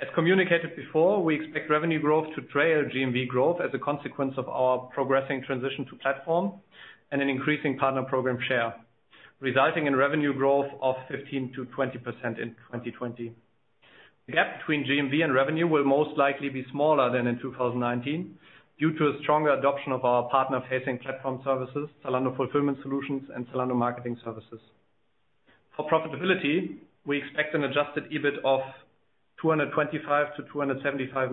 As communicated before, we expect revenue growth to trail GMV growth as a consequence of our progressing transition to platform and an increasing partner program share, resulting in revenue growth of 15%-20% in 2020. The gap between GMV and revenue will most likely be smaller than in 2019 due to a stronger adoption of our partner-facing platform services, Zalando Fulfillment Solutions, and Zalando Marketing Services. For profitability, we expect an adjusted EBIT of 225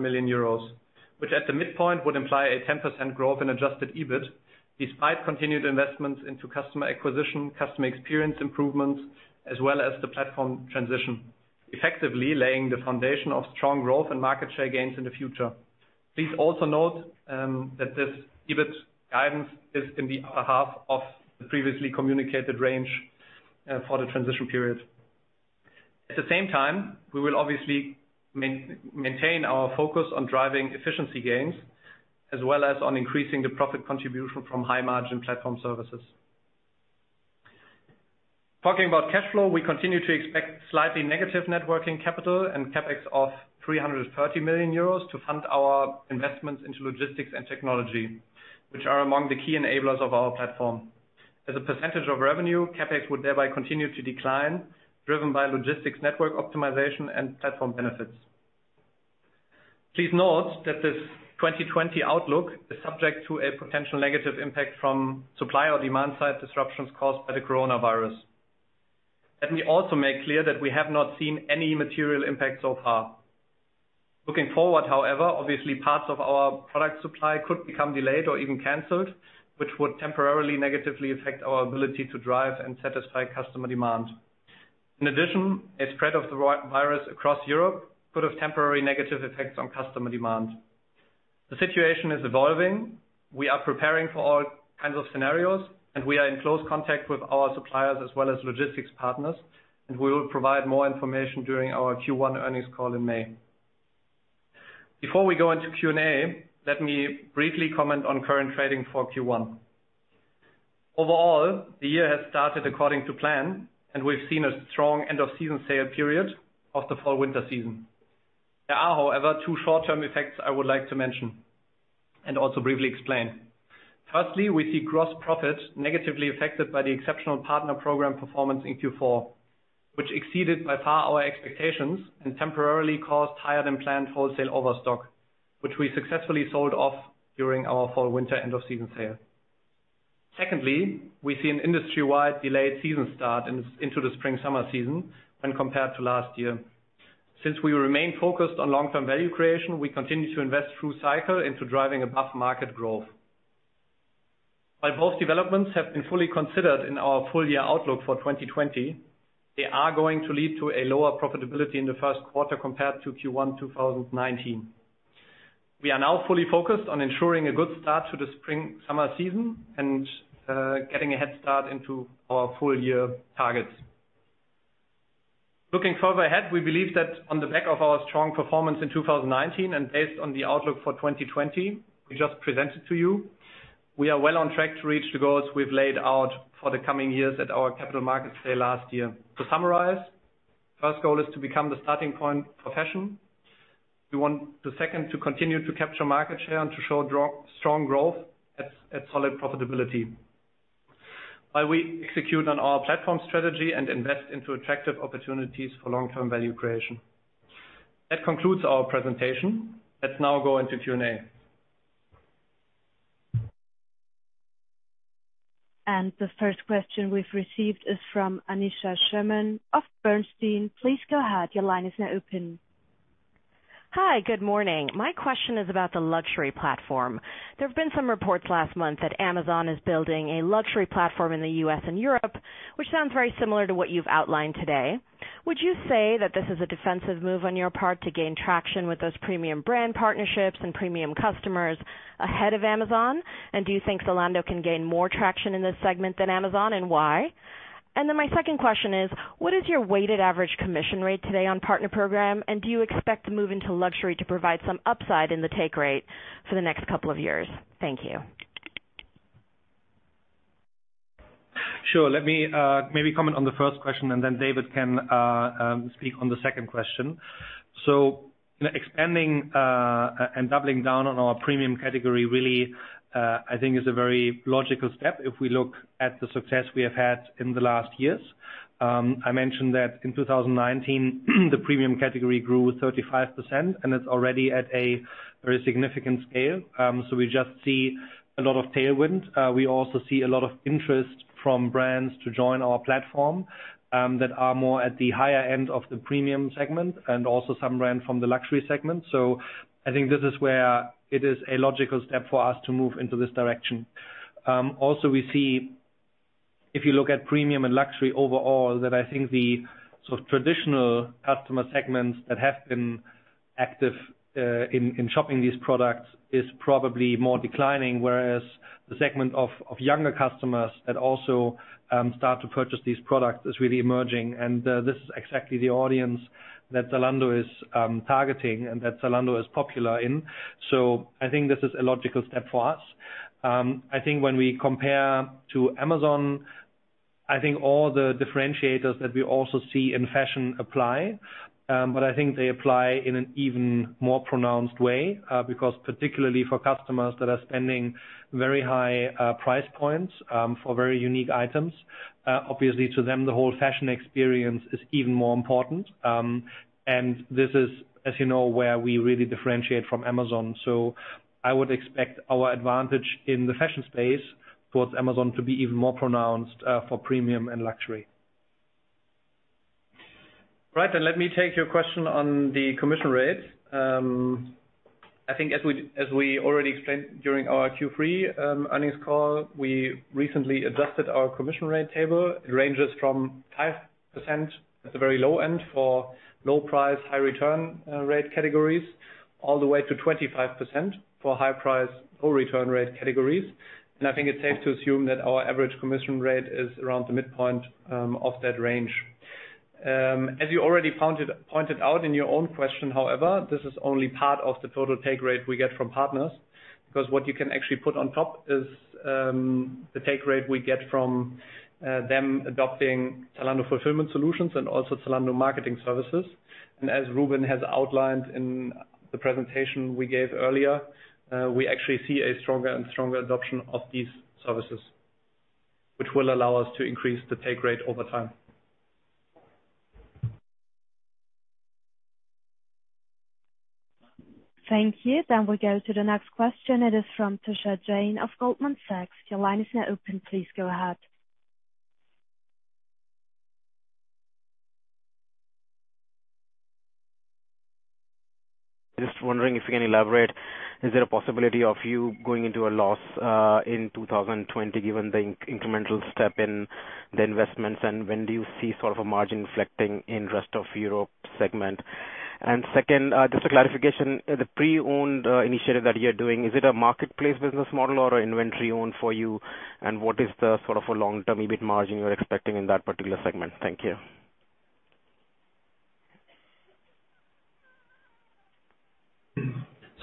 million-275 million euros, which at the midpoint would imply a 10% growth in adjusted EBIT, despite continued investments into customer acquisition, customer experience improvements, as well as the platform transition, effectively laying the foundation of strong growth and market share gains in the future. Please also note that this EBIT guidance is in the upper half of the previously communicated range for the transition period. At the same time, we will obviously maintain our focus on driving efficiency gains as well as on increasing the profit contribution from high-margin platform services. Talking about cash flow, we continue to expect slightly negative networking capital and CapEx of 330 million euros to fund our investments into logistics and technology, which are among the key enablers of our platform. As a percentage of revenue, CapEx would thereby continue to decline, driven by logistics network optimization and platform benefits. Please note that this 2020 outlook is subject to a potential negative impact from supply or demand-side disruptions caused by the coronavirus. Let me also make clear that we have not seen any material impact so far. Looking forward, however, obviously parts of our product supply could become delayed or even canceled, which would temporarily negatively affect our ability to drive and satisfy customer demand. In addition, a spread of the virus across Europe could have temporary negative effects on customer demand. The situation is evolving. We are preparing for all kinds of scenarios, and we are in close contact with our suppliers as well as logistics partners, and we will provide more information during our Q1 earnings call in May. Before we go into Q&A, let me briefly comment on current trading for Q1. Overall, the year has started according to plan, and we've seen a strong end of season sale period of the fall-winter season. There are, however, two short-term effects I would like to mention and also briefly explain. Firstly, we see gross profit negatively affected by the exceptional partner program performance in Q4, which exceeded by far our expectations and temporarily caused higher-than-planned wholesale overstock, which we successfully sold off during our fall-winter end of season sale. Secondly, we see an industry-wide delayed season start into the spring-summer season when compared to last year. Since we remain focused on long-term value creation, we continue to invest through cycle into driving above-market growth. While both developments have been fully considered in our full-year outlook for 2020, they are going to lead to a lower profitability in the first quarter compared to Q1 2019. We are now fully focused on ensuring a good start to the spring-summer season and getting a head start into our full-year targets. Looking further ahead, we believe that on the back of our strong performance in 2019 and based on the outlook for 2020 we just presented to you, we are well on track to reach the goals we've laid out for the coming years at our Capital Markets Day last year. To summarize, first goal is to become the starting point for fashion. We want the second to continue to capture market share and to show strong growth at solid profitability. While we execute on our platform strategy and invest into attractive opportunities for long-term value creation. That concludes our presentation. Let's now go into Q&A. The first question we've received is from Aneesha Sherman of Bernstein. Please go ahead. Your line is now open. Hi, good morning. My question is about the luxury platform. There have been some reports last month that Amazon is building a luxury platform in the U.S. and Europe, which sounds very similar to what you've outlined today. Would you say that this is a defensive move on your part to gain traction with those premium brand partnerships and premium customers ahead of Amazon? Do you think Zalando can gain more traction in this segment than Amazon, and why? My second question is, what is your weighted average commission rate today on partner program? Do you expect to move into luxury to provide some upside in the take rate for the next couple of years? Thank you. Sure. Let me maybe comment on the first question, and then David can speak on the second question. Expanding and doubling down on our premium category really, I think is a very logical step if we look at the success we have had in the last years. I mentioned that in 2019 the premium category grew 35%, and it's already at a very significant scale. We also see a lot of tailwind. We also see a lot of interest from brands to join our platform, that are more at the higher end of the premium segment. Also some brands from the luxury segment. I think this is where it is a logical step for us to move into this direction. We see, if you look at premium and luxury overall, that I think the sort of traditional customer segments that have been active in shopping these products is probably more declining, whereas the segment of younger customers that also start to purchase these products is really emerging. This is exactly the audience that Zalando is targeting and that Zalando is popular in. I think this is a logical step for us. I think when we compare to Amazon, I think all the differentiators that we also see in fashion apply. I think they apply in an even more pronounced way. Because particularly for customers that are spending very high price points for very unique items, obviously to them, the whole fashion experience is even more important. This is, as you know, where we really differentiate from Amazon. I would expect our advantage in the fashion space towards Amazon to be even more pronounced for premium and luxury. Right. Let me take your question on the commission rate. I think as we already explained during our Q3 earnings call, we recently adjusted our commission rate table. It ranges from 5% at the very low end for low price, high return rate categories, all the way to 25% for high price, low return rate categories. I think it's safe to assume that our average commission rate is around the midpoint of that range. As you already pointed out in your own question, however, this is only part of the total take rate we get from partners. What you can actually put on top is the take rate we get from them adopting Zalando Fulfillment Solutions and also Zalando Marketing Services. As Rubin has outlined in the presentation we gave earlier, we actually see a stronger and stronger adoption of these services, which will allow us to increase the take rate over time. Thank you. We go to the next question. It is from Tushar Jain of Goldman Sachs. Your line is now open. Please go ahead. Just wondering if you can elaborate, is there a possibility of you going into a loss in 2020 given the incremental step in the investments, and when do you see sort of a margin inflecting in rest of Europe segment? Second, just a clarification, the pre-owned initiative that you're doing, is it a marketplace business model or an inventory owned for you? What is the sort of a long-term EBIT margin you're expecting in that particular segment? Thank you.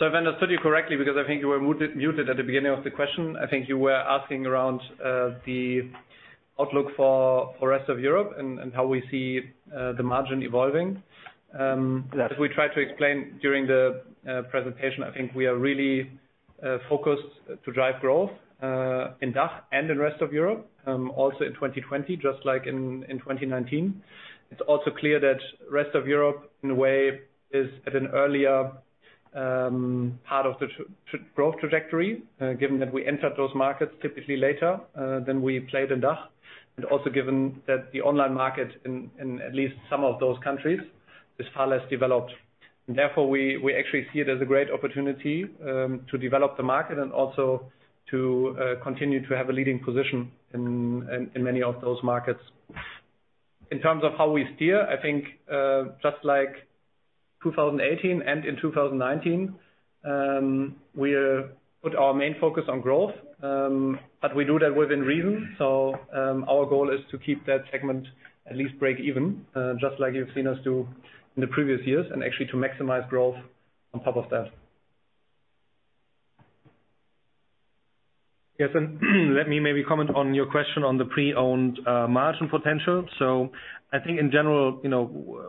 If I understood you correctly, because I think you were muted at the beginning of the question. I think you were asking around the outlook for rest of Europe and how we see the margin evolving. Yes. As we tried to explain during the presentation, I think we are really focused to drive growth in DACH and in rest of Europe, also in 2020, just like in 2019. It's also clear that rest of Europe, in a way, is at an earlier part of the growth trajectory, given that we entered those markets typically later than we played in DACH, also given that the online market in at least some of those countries is far less developed. Therefore, we actually see it as a great opportunity to develop the market and also to continue to have a leading position in many of those markets. In terms of how we steer, I think just like 2018 and in 2019, we put our main focus on growth. We do that within reason, so our goal is to keep that segment at least break even, just like you've seen us do in the previous years, and actually to maximize growth on top of that. Yes, let me maybe comment on your question on the pre-owned margin potential. I think in general,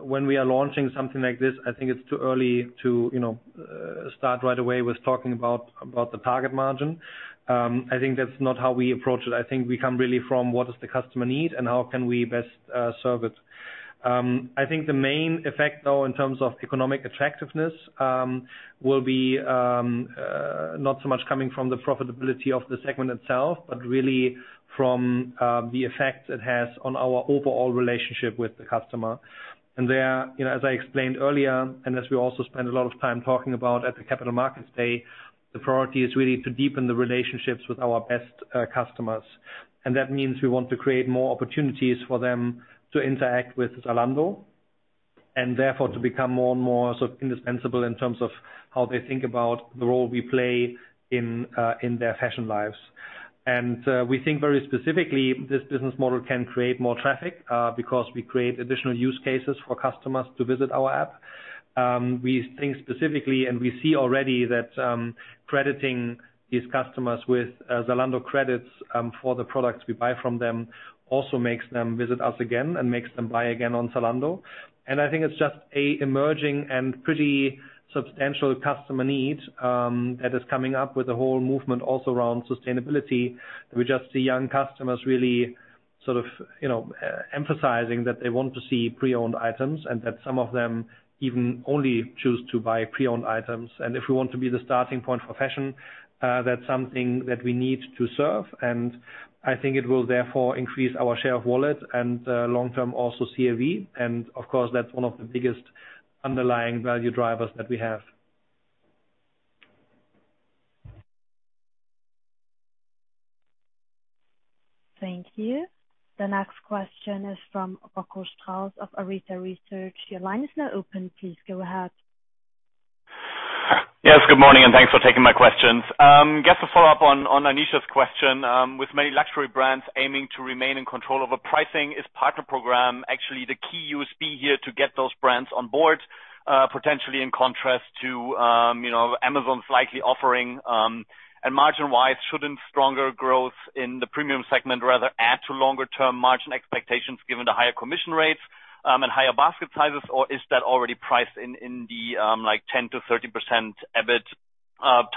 when we are launching something like this, I think it's too early to start right away with talking about the target margin. I think that's not how we approach it. I think we come really from what does the customer need and how can we best serve it. I think the main effect, though, in terms of economic attractiveness, will be not so much coming from the profitability of the segment itself, but really from the effect it has on our overall relationship with the customer. There, as I explained earlier, and as we also spend a lot of time talking about at the Capital Markets Day, the priority is really to deepen the relationships with our best customers. That means we want to create more opportunities for them to interact with Zalando and therefore to become more and more so indispensable in terms of how they think about the role we play in their fashion lives. We think very specifically, this business model can create more traffic because we create additional use cases for customers to visit our app. We think specifically, and we see already that crediting these customers with Zalando credits for the products we buy from them also makes them visit us again and makes them buy again on Zalando. I think it's just a emerging and pretty substantial customer need that is coming up with the whole movement also around sustainability. We just see young customers really emphasizing that they want to see pre-owned items and that some of them even only choose to buy pre-owned items. If we want to be the starting point for fashion, that's something that we need to serve. I think it will therefore increase our share of wallet and long-term also CLV. Of course, that's one of the biggest underlying value drivers that we have. Thank you. The next question is from Rocco Strauss of Arete Research. Your line is now open. Please go ahead. Yes, good morning. Thanks for taking my questions. Just a follow-up on Aneesha's question. With many luxury brands aiming to remain in control over pricing, is partner program actually the key USP here to get those brands on board, potentially in contrast to Amazon's likely offering? Margin-wise, shouldn't stronger growth in the premium segment rather add to longer-term margin expectations given the higher commission rates and higher basket sizes, or is that already priced in the 10%-13% EBIT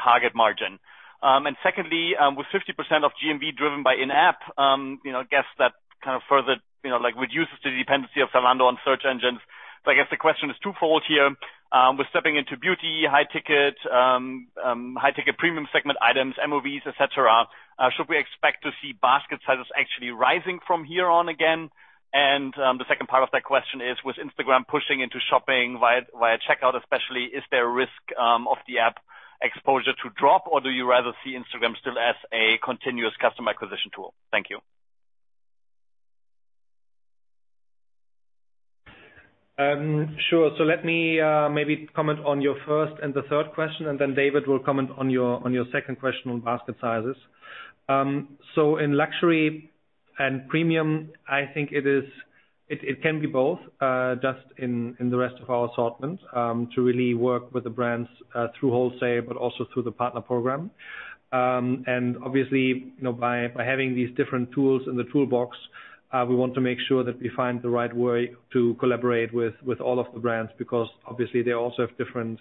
target margin? Secondly, with 50% of GMV driven by in-app, I guess that kind of further reduces the dependency of Zalando on search engines. I guess the question is twofold here. With stepping into beauty, high-ticket premium segment items, MOVs, et cetera, should we expect to see basket sizes actually rising from here on again? The second part of that question is, with Instagram pushing into shopping via checkout especially, is there a risk of the app exposure to drop, or do you rather see Instagram still as a continuous customer acquisition tool? Thank you. Sure. Let me maybe comment on your first and the third question, and then David will comment on your second question on basket sizes. In luxury and premium, I think it can be both, just in the rest of our assortment, to really work with the brands through wholesale, but also through the Partner Program. Obviously, by having these different tools in the toolbox, we want to make sure that we find the right way to collaborate with all of the brands, because obviously they also have different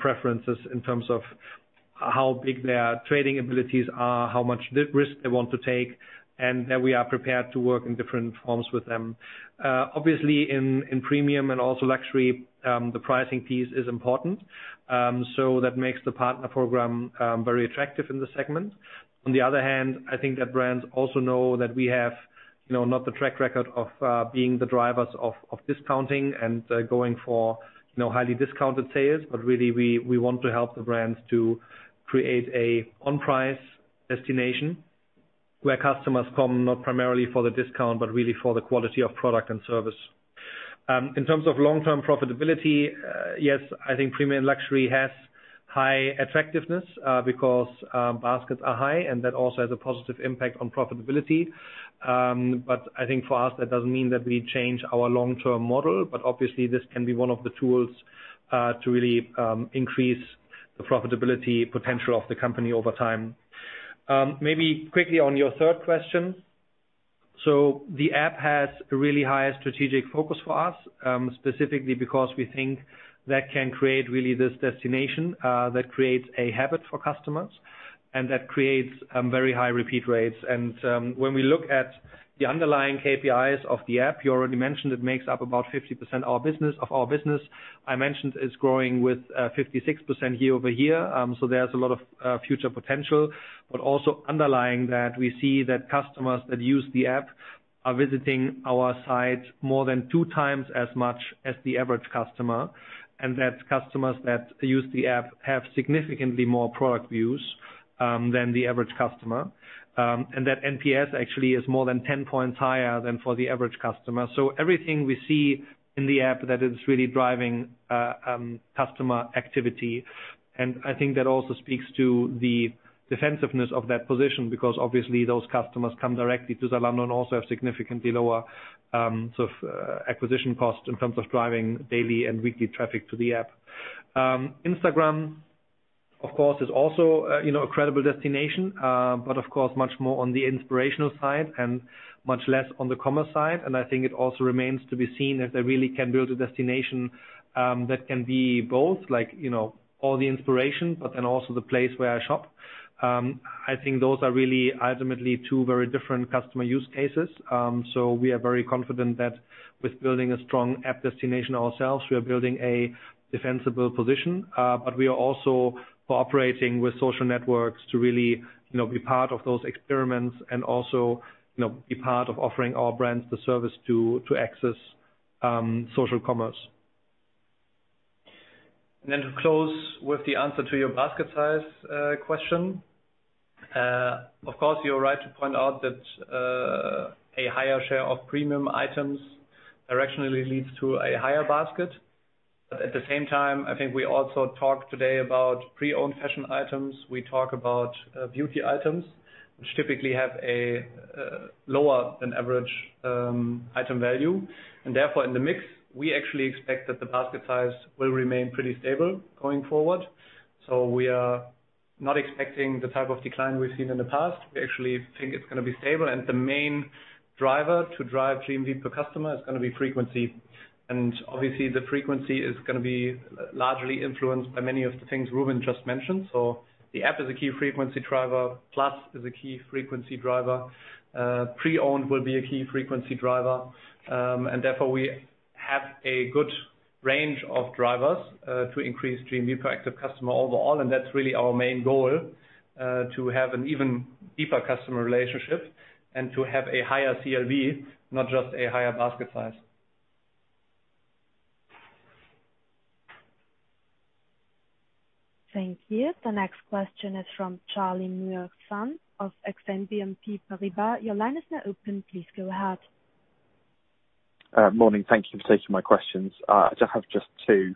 preferences in terms of how big their trading abilities are, how much risk they want to take, and that we are prepared to work in different forms with them. Obviously in premium and also luxury, the pricing piece is important. That makes the Partner Program very attractive in the segment. On the other hand, I think that brands also know that we have not the track record of being the drivers of discounting and going for highly discounted sales, but really we want to help the brands to create a on-price destination where customers come not primarily for the discount, but really for the quality of product and service. In terms of long-term profitability, yes, I think premium luxury has high attractiveness because baskets are high, and that also has a positive impact on profitability. I think for us, that doesn't mean that we change our long-term model, but obviously this can be one of the tools to really increase the profitability potential of the company over time. Maybe quickly on your third question. The app has a really high strategic focus for us, specifically because we think that can create really this destination that creates a habit for customers and that creates very high repeat rates. When we look at the underlying KPIs of the app, you already mentioned it makes up about 50% of our business. I mentioned it's growing with 56% year-over-year, so there's a lot of future potential. Also underlying that, we see that customers that use the app are visiting our site more than two times as much as the average customer, and that customers that use the app have significantly more product views than the average customer. That NPS actually is more than 10 points higher than for the average customer. Everything we see in the app that is really driving customer activity. I think that also speaks to the defensiveness of that position because obviously those customers come directly to Zalando and also have significantly lower acquisition costs in terms of driving daily and weekly traffic to the app. Instagram. Of course, it's also a credible destination, but of course, much more on the inspirational side and much less on the commerce side. I think it also remains to be seen if they really can build a destination that can be both all the inspiration, but then also the place where I shop. I think those are really ultimately two very different customer use cases. We are very confident that with building a strong app destination ourselves, we are building a defensible position. We are also cooperating with social networks to really be part of those experiments and also be part of offering our brands the service to access social commerce. To close with the answer to your basket size question. Of course, you're right to point out that a higher share of premium items directionally leads to a higher basket. At the same time, I think we also talked today about Pre-owned fashion items. We talk about beauty items, which typically have a lower than average item value. Therefore, in the mix, we actually expect that the basket size will remain pretty stable going forward. We are not expecting the type of decline we've seen in the past. We actually think it's going to be stable. The main driver to drive GMV per customer is going to be frequency. Obviously, the frequency is going to be largely influenced by many of the things Rubin just mentioned. The app is a key frequency driver. Plus is a key frequency driver. Pre-owned will be a key frequency driver. Therefore, we have a good range of drivers to increase GMV per active customer overall. That's really our main goal, to have an even deeper customer relationship and to have a higher CLV, not just a higher basket size. Thank you. The next question is from Charlie Muir-Sands of Exane BNP Paribas. Your line is now open. Please go ahead. Morning. Thank you for taking my questions. I have just two.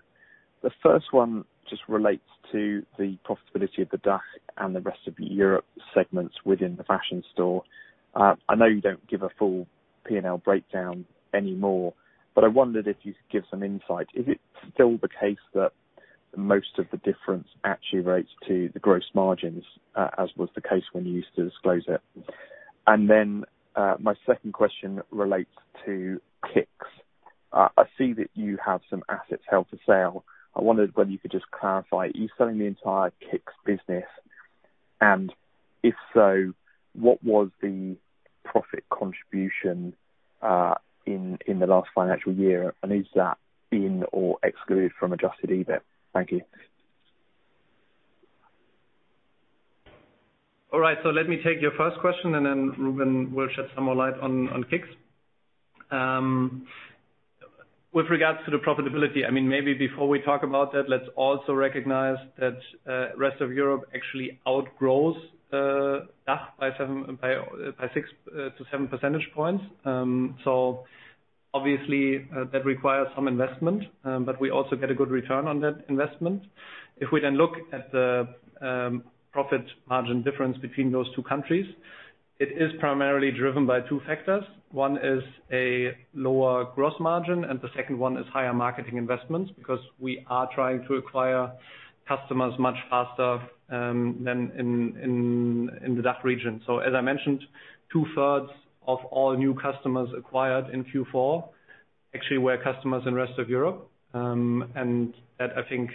The first one just relates to the profitability of the DACH and the rest of the Europe segments within the fashion store. I know you don't give a full P&L breakdown anymore, but I wondered if you could give some insight. Is it still the case that most of the difference attributes to the gross margins, as was the case when you used to disclose it? My second question relates to KICKZ. I see that you have some assets held for sale. I wondered whether you could just clarify, are you selling the entire KICKZ business? If so, what was the profit contribution in the last financial year, and is that in or excluded from adjusted EBIT? Thank you. All right. Let me take your first question, and then Rubin will shed some more light on KICKZ. With regards to the profitability, maybe before we talk about that, let's also recognize that Rest of Europe actually outgrows DACH by 6-7 percentage points. Obviously, that requires some investment, but we also get a good return on that investment. If we then look at the profit margin difference between those two countries, it is primarily driven by two factors. One is a lower gross margin, and the second one is higher marketing investments because we are trying to acquire customers much faster than in the DACH region. As I mentioned, two-thirds of all new customers acquired in Q4 actually were customers in Rest of Europe. That, I think,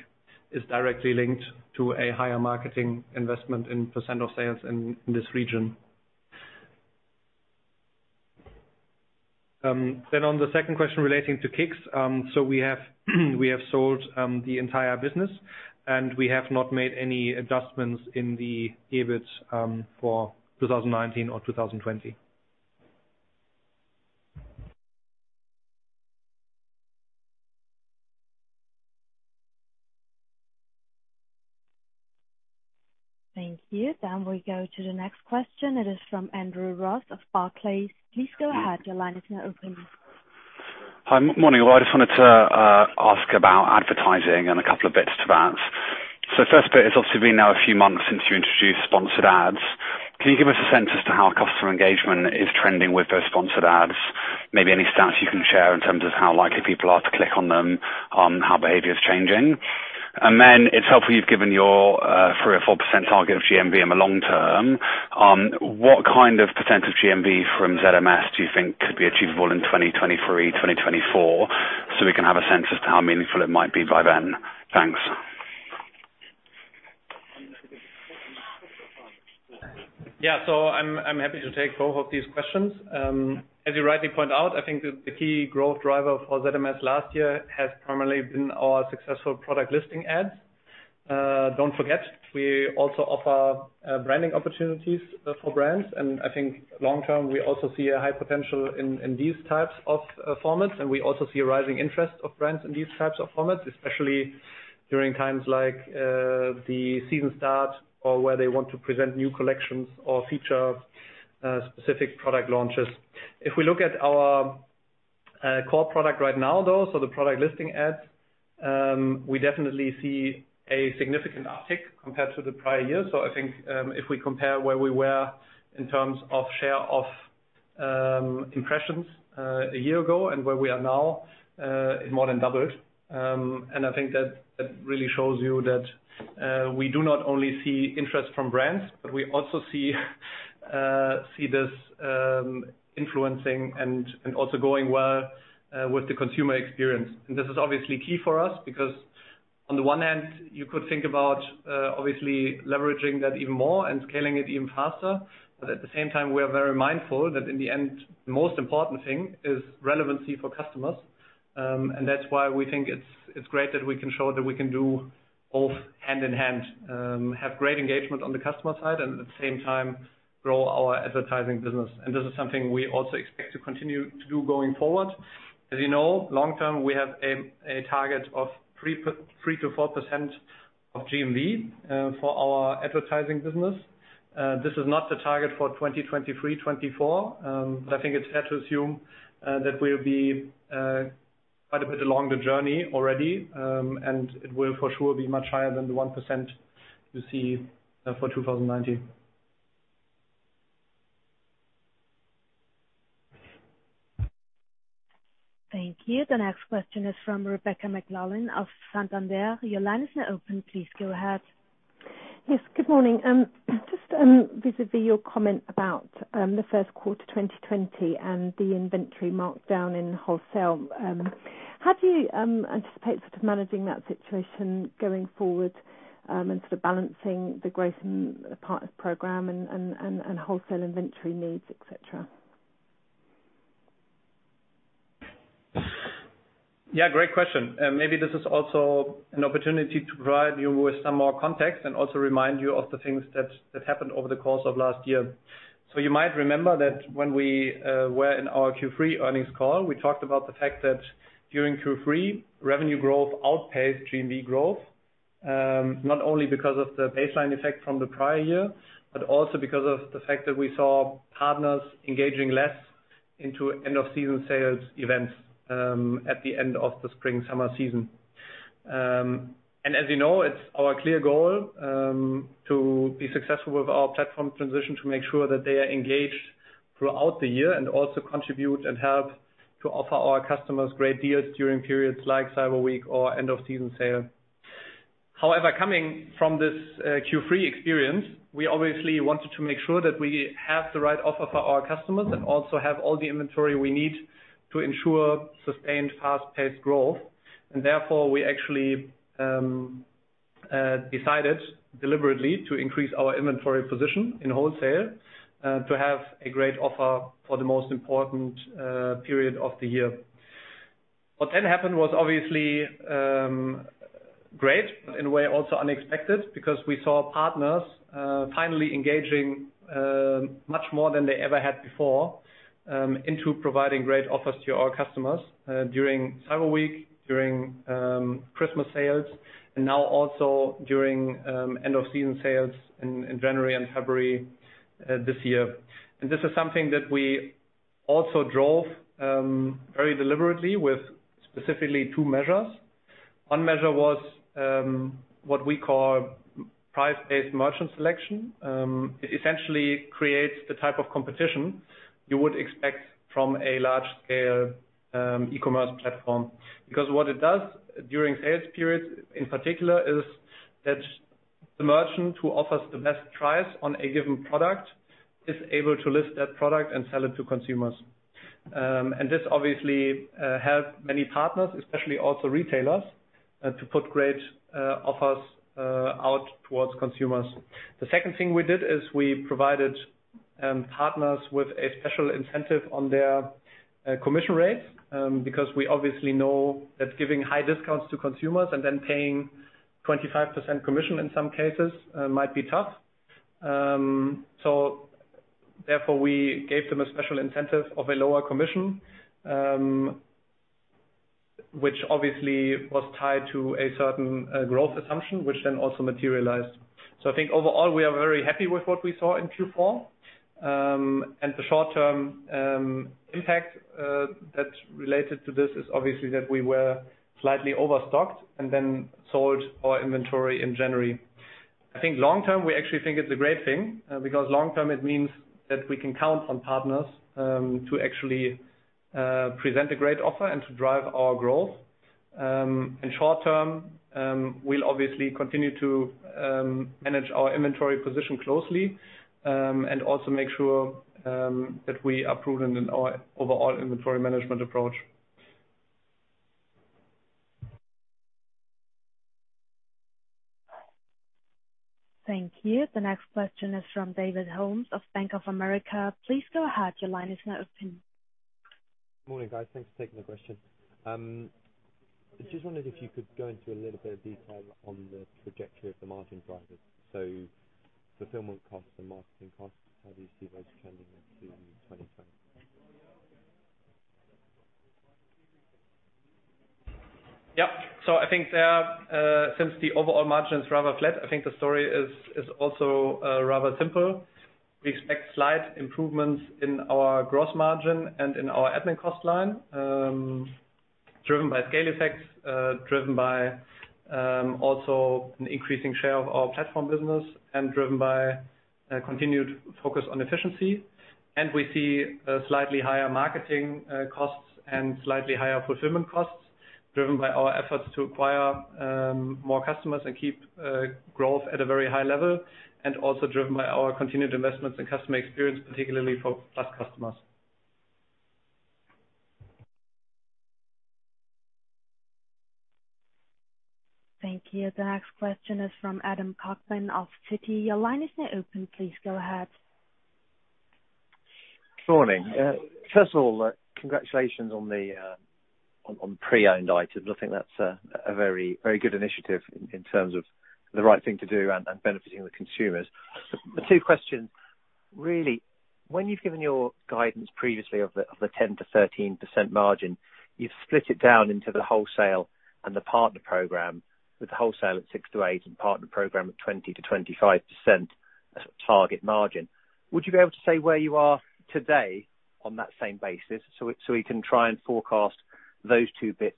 is directly linked to a higher marketing investment in percent of sales in this region. On the second question relating to KICKZ. We have sold the entire business, and we have not made any adjustments in the EBIT for 2019 or 2020. Thank you. We go to the next question. It is from Andrew Ross of Barclays. Please go ahead. Your line is now open. Hi. Morning. I just wanted to ask about advertising and a couple of bits to that. The first bit, it's obviously been now a few months since you introduced sponsored ads. Can you give us a sense as to how customer engagement is trending with those sponsored ads? Maybe any stats you can share in terms of how likely people are to click on them, how behavior is changing. Then it's helpful you've given your 3% or 4% target of GMV in the long term. What kind of percentage of GMV from ZMS do you think could be achievable in 2023, 2024, so we can have a sense as to how meaningful it might be by then? Thanks. Yeah. I'm happy to take both of these questions. As you rightly point out, I think the key growth driver for ZMS last year has primarily been our successful product listing ads. Don't forget, we also offer branding opportunities for brands, and I think long-term, we also see a high potential in these types of formats, and we also see a rising interest of brands in these types of formats, especially during times like the season start or where they want to present new collections or feature specific product launches. If we look at our core product right now, though, so the product listing ads, we definitely see a significant uptick compared to the prior year. I think if we compare where we were in terms of share of impressions a year ago and where we are now, it more than doubled. I think that really shows you that we do not only see interest from brands, but we also see this influencing and also going well with the consumer experience. This is obviously key for us because on the one hand, you could think about obviously leveraging that even more and scaling it even faster. At the same time, we are very mindful that in the end, the most important thing is relevancy for customers, and that's why we think it's great that we can show that we can do both hand in hand. Have great engagement on the customer side and at the same time grow our advertising business. This is something we also expect to continue to do going forward. As you know, long term, we have a target of 3%-4% of GMV for our advertising business. This is not the target for 2023-2024, but I think it's fair to assume that we'll be quite a bit along the journey already, and it will for sure be much higher than the 1% you see for 2019. Thank you. The next question is from Rebecca McClellan of Santander. Your line is now open. Please go ahead. Yes, good morning. Just vis-a-vis your comment about the first quarter 2020 and the inventory markdown in wholesale, how do you anticipate sort of managing that situation going forward, and sort of balancing the growth in the partners program and wholesale inventory needs, et cetera? Yeah, great question. Maybe this is also an opportunity to provide you with some more context and also remind you of the things that happened over the course of last year. You might remember that when we were in our Q3 earnings call, we talked about the fact that during Q3, revenue growth outpaced GMV growth. Not only because of the baseline effect from the prior year, but also because of the fact that we saw partners engaging less into end of season sales events at the end of the spring-summer season. As you know, it's our clear goal to be successful with our platform transition to make sure that they are engaged throughout the year and also contribute and help to offer our customers great deals during periods like Cyber Week or end of season sale. However, coming from this Q3 experience, we obviously wanted to make sure that we have the right offer for our customers and also have all the inventory we need to ensure sustained fast-paced growth. Therefore, we actually decided deliberately to increase our inventory position in wholesale, to have a great offer for the most important period of the year. What then happened was obviously great, but in a way also unexpected because we saw partners finally engaging much more than they ever had before into providing great offers to our customers during Cyber Week, during Christmas sales, and now also during end of season sales in January and February this year. This is something that we also drove very deliberately with specifically two measures. One measure was what we call price-based merchant selection. It essentially creates the type of competition you would expect from a large scale e-commerce platform. What it does during sales periods in particular, is that the merchant who offers the best price on a given product is able to list that product and sell it to consumers. This obviously helped many partners, especially also retailers, to put great offers out towards consumers. The second thing we did is we provided partners with a special incentive on their commission rates, because we obviously know that giving high discounts to consumers and then paying 25% commission in some cases might be tough. Therefore, we gave them a special incentive of a lower commission, which obviously was tied to a certain growth assumption, which then also materialized. I think overall, we are very happy with what we saw in Q4. The short-term impact that's related to this is obviously that we were slightly overstocked and then sold our inventory in January. I think long term, we actually think it's a great thing. Long term, it means that we can count on partners to actually present a great offer and to drive our growth. In short term, we'll obviously continue to manage our inventory position closely, and also make sure that we are prudent in our overall inventory management approach. Thank you. The next question is from David Holmes of Bank of America. Please go ahead, your line is now open. Morning, guys. Thanks for taking the question. I just wondered if you could go into a little bit of detail on the trajectory of the margin drivers. Fulfillment costs and marketing costs, how do you see those trending into 2020? Yeah. I think there, since the overall margin's rather flat, I think the story is also rather simple. We expect slight improvements in our gross margin and in our admin cost line. Driven by scale effects, driven by also an increasing share of our platform business, and driven by a continued focus on efficiency. We see slightly higher marketing costs and slightly higher fulfillment costs driven by our efforts to acquire more customers and keep growth at a very high level, and also driven by our continued investments in customer experience, particularly for Plus customers. Thank you. The next question is from Adam Cochrane of Citi. Your line is now open. Please go ahead. Morning. First of all, congratulations on pre-owned items. I think that's a very good initiative in terms of the right thing to do and benefiting the consumers. The two questions really, when you've given your guidance previously of the 10%-13% margin, you've split it down into the wholesale and the partner program, with the wholesale at 6%-8% and partner program at 20%-25% as target margin. Would you be able to say where you are today on that same basis so we can try and forecast those two bits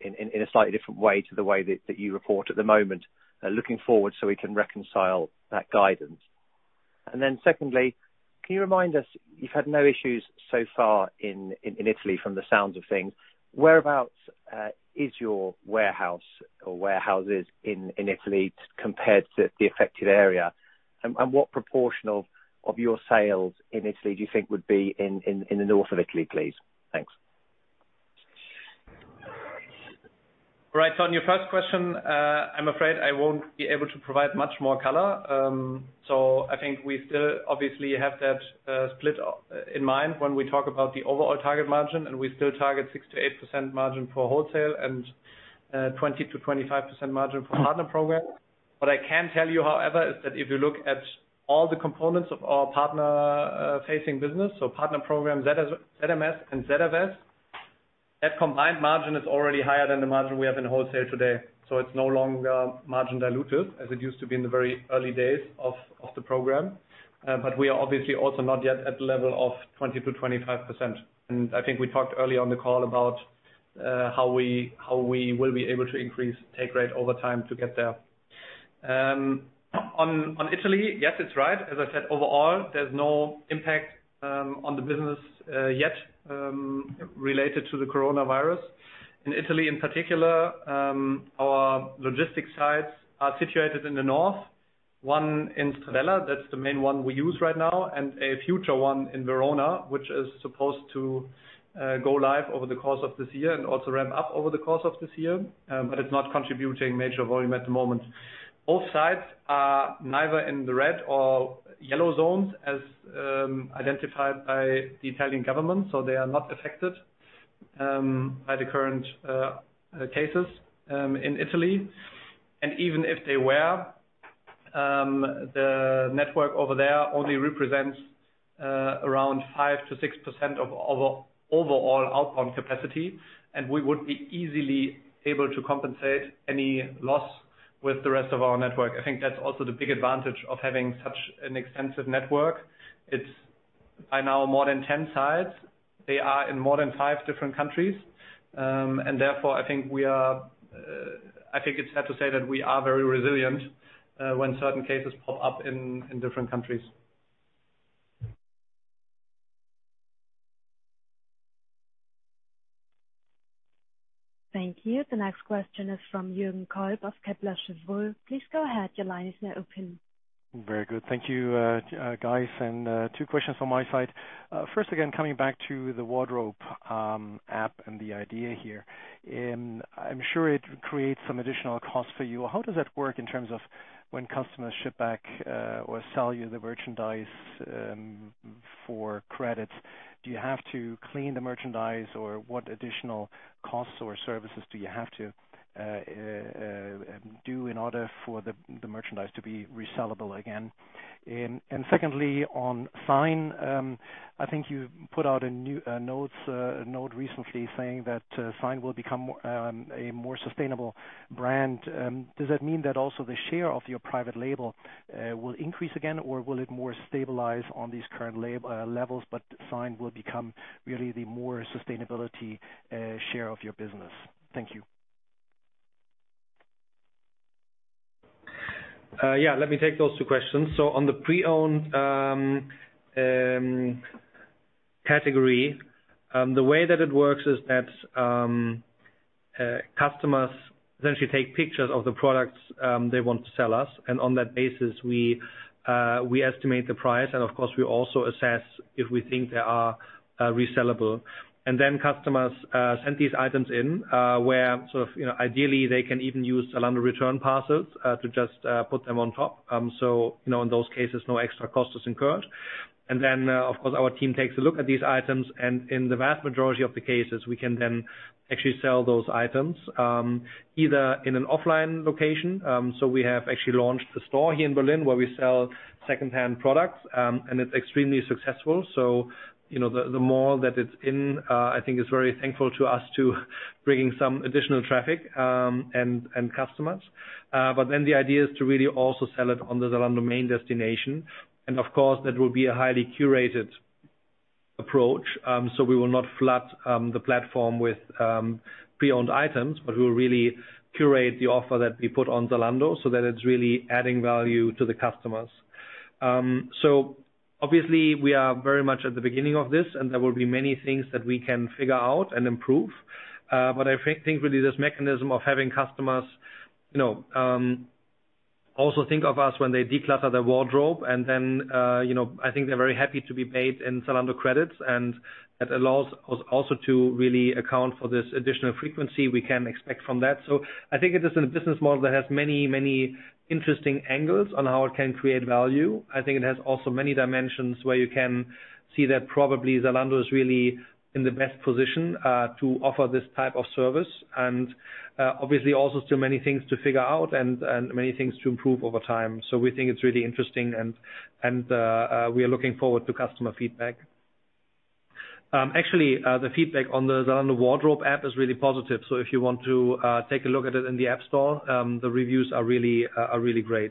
in a slightly different way to the way that you report at the moment, looking forward so we can reconcile that guidance? Secondly, can you remind us, you've had no issues so far in Italy from the sounds of things. Whereabouts is your warehouse or warehouses in Italy compared to the affected area? What proportion of your sales in Italy do you think would be in the north of Italy, please? Thanks. Right. On your first question, I'm afraid I won't be able to provide much more color. I think we still obviously have that split in mind when we talk about the overall target margin, and we still target 6%-8% margin for wholesale and 20%-25% margin for partner program. What I can tell you, however, is that if you look at all the components of our partner-facing business, so partner programs ZMS and ZFS, that combined margin is already higher than the margin we have in wholesale today. It's no longer margin diluted as it used to be in the very early days of the program. We are obviously also not yet at the level of 20%-25%. I think we talked earlier on the call about how we will be able to increase take rate over time to get there. On Italy, yes, it's right. As I said, overall, there's no impact on the business yet related to the coronavirus. In Italy, in particular, our logistics sites are situated in the north, one in Stradella, that's the main one we use right now, and a future one in Verona, which is supposed to go live over the course of this year and also ramp up over the course of this year. It's not contributing major volume at the moment. Both sites are neither in the red or yellow zones as identified by the Italian government, so they are not affected by the current cases in Italy. Even if they were, the network over there only represents around 5%-6% of our overall outbound capacity, and we would be easily able to compensate any loss with the rest of our network. I think that's also the big advantage of having such an extensive network. It's by now more than 10 sites. They are in more than five different countries. I think it's fair to say that we are very resilient when certain cases pop up in different countries. Thank you. The next question is from Jürgen Kolb of Kepler Cheuvreux. Please go ahead. Your line is now open. Very good. Thank you, guys. Two questions from my side. First, again, coming back to the Zalando Wardrobe app and the idea here. I'm sure it creates some additional cost for you. How does that work in terms of when customers ship back or sell you the merchandise for credits? Do you have to clean the merchandise, or what additional costs or services do you have to do in order for the merchandise to be resellable again? Secondly, on Zign, I think you put out a note recently saying that Zign will become a more sustainable brand. Does that mean that also the share of your private label will increase again, or will it more stabilize on these current levels, but Zign will become really the more sustainability share of your business? Thank you. Let me take those two questions. On the pre-owned category, the way that it works is that customers essentially take pictures of the products they want to sell us, and on that basis, we estimate the price. Of course, we also assess if we think they are resellable. Then customers send these items in where ideally they can even use Zalando return parcels to just put them on top. In those cases, no extra cost is incurred. Then, of course, our team takes a look at these items, and in the vast majority of the cases, we can then actually sell those items, either in an offline location. We have actually launched a store here in Berlin where we sell second-hand products, and it's extremely successful. The mall that it's in, I think, is very thankful to us to bringing some additional traffic and customers. The idea is to really also sell it on the Zalando main destination. Of course, that will be a highly curated. Approach. We will not flood the platform with pre-owned items, but we'll really curate the offer that we put on Zalando so that it's really adding value to the customers. Obviously, we are very much at the beginning of this, and there will be many things that we can figure out and improve. I think really this mechanism of having customers also think of us when they declutter their wardrobe and then I think they're very happy to be paid in Zalando credits. That allows us also to really account for this additional frequency we can expect from that. I think it is a business model that has many, many interesting angles on how it can create value. I think it has also many dimensions where you can see that probably Zalando is really in the best position to offer this type of service. Obviously also still many things to figure out and many things to improve over time. We think it's really interesting and we are looking forward to customer feedback. Actually, the feedback on the Zalando Wardrobe app is really positive. If you want to take a look at it in the App Store, the reviews are really great.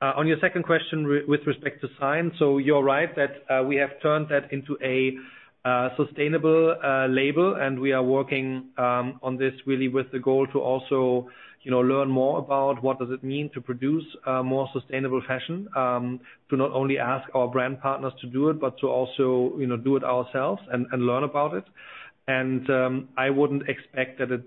On your second question with respect to Zign. You're right that we have turned that into a sustainable label, and we are working on this really with the goal to also learn more about what does it mean to produce a more sustainable fashion. To not only ask our brand partners to do it, but to also do it ourselves and learn about it. I wouldn't expect that it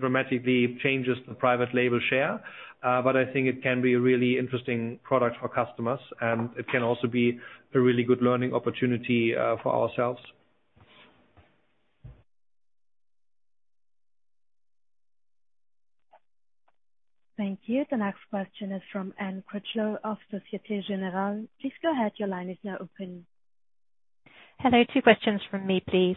dramatically changes the private label share. I think it can be a really interesting product for customers, and it can also be a really good learning opportunity for ourselves. Thank you. The next question is from Anne Critchlow of Societe Generale. Please go ahead. Your line is now open. Hello, two questions from me, please.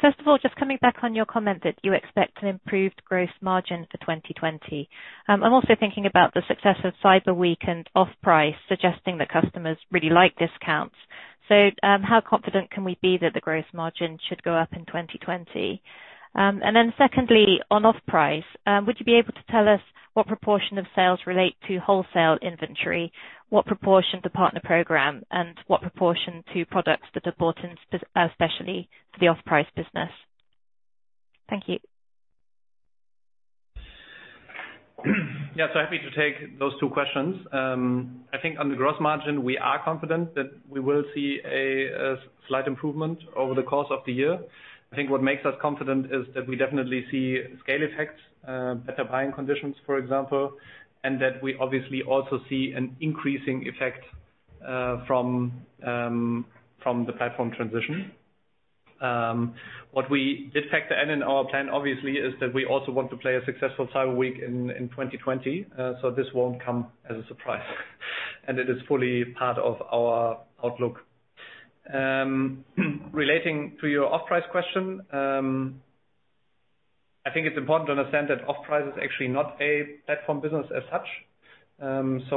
First of all, just coming back on your comment that you expect an improved gross margin for 2020. I'm also thinking about the success of Cyber Week and Offprice, suggesting that customers really like discounts. How confident can we be that the gross margin should go up in 2020? Secondly, on Offprice, would you be able to tell us what proportion of sales relate to wholesale inventory? What proportion to partner program, and what proportion to products that are bought in especially for the Offprice business? Thank you. Happy to take those two questions. On the gross margin, we are confident that we will see a slight improvement over the course of the year. What makes us confident is that we definitely see scale effects, better buying conditions, for example, and that we obviously also see an increasing effect from the platform transition. What we did factor in in our plan, obviously, is that we also want to play a successful Cyber Week in 2020. This won't come as a surprise and it is fully part of our outlook. Relating to your off-price question, it's important to understand that off-price is actually not a platform business as such. 100%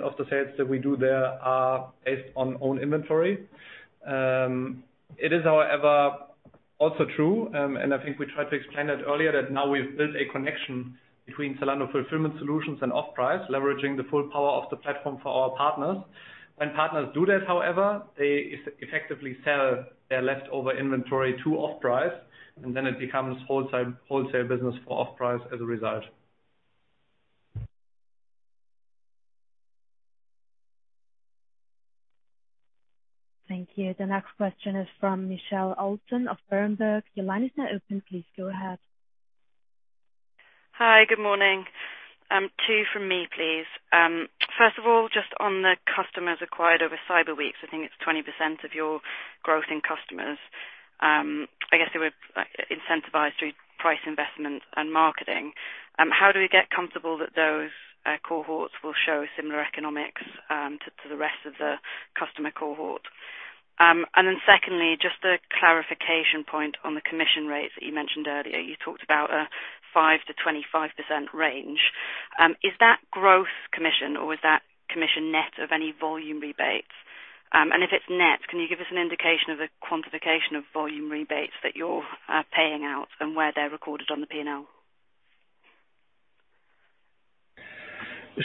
of the sales that we do there are based on own inventory. It is, however, also true, and I think we tried to explain that earlier, that now we've built a connection between Zalando Fulfillment Solutions and Offprice, leveraging the full power of the platform for our partners. When partners do that, however, they effectively sell their leftover inventory to Offprice, and then it becomes wholesale business for Offprice as a result. Thank you. The next question is from Michelle Wilson of Berenberg. Your line is now open. Please go ahead. Hi, good morning. Two from me, please. First of all, just on the customers acquired over Cyber Week, I think it's 20% of your growth in customers. I guess they were incentivized through price investments and marketing. How do we get comfortable that those cohorts will show similar economics to the rest of the customer cohort? Secondly, just a clarification point on the commission rates that you mentioned earlier. You talked about a 5%-25% range. Is that gross commission or is that commission net of any volume rebates? If it's net, can you give us an indication of the quantification of volume rebates that you're paying out and where they're recorded on the P&L?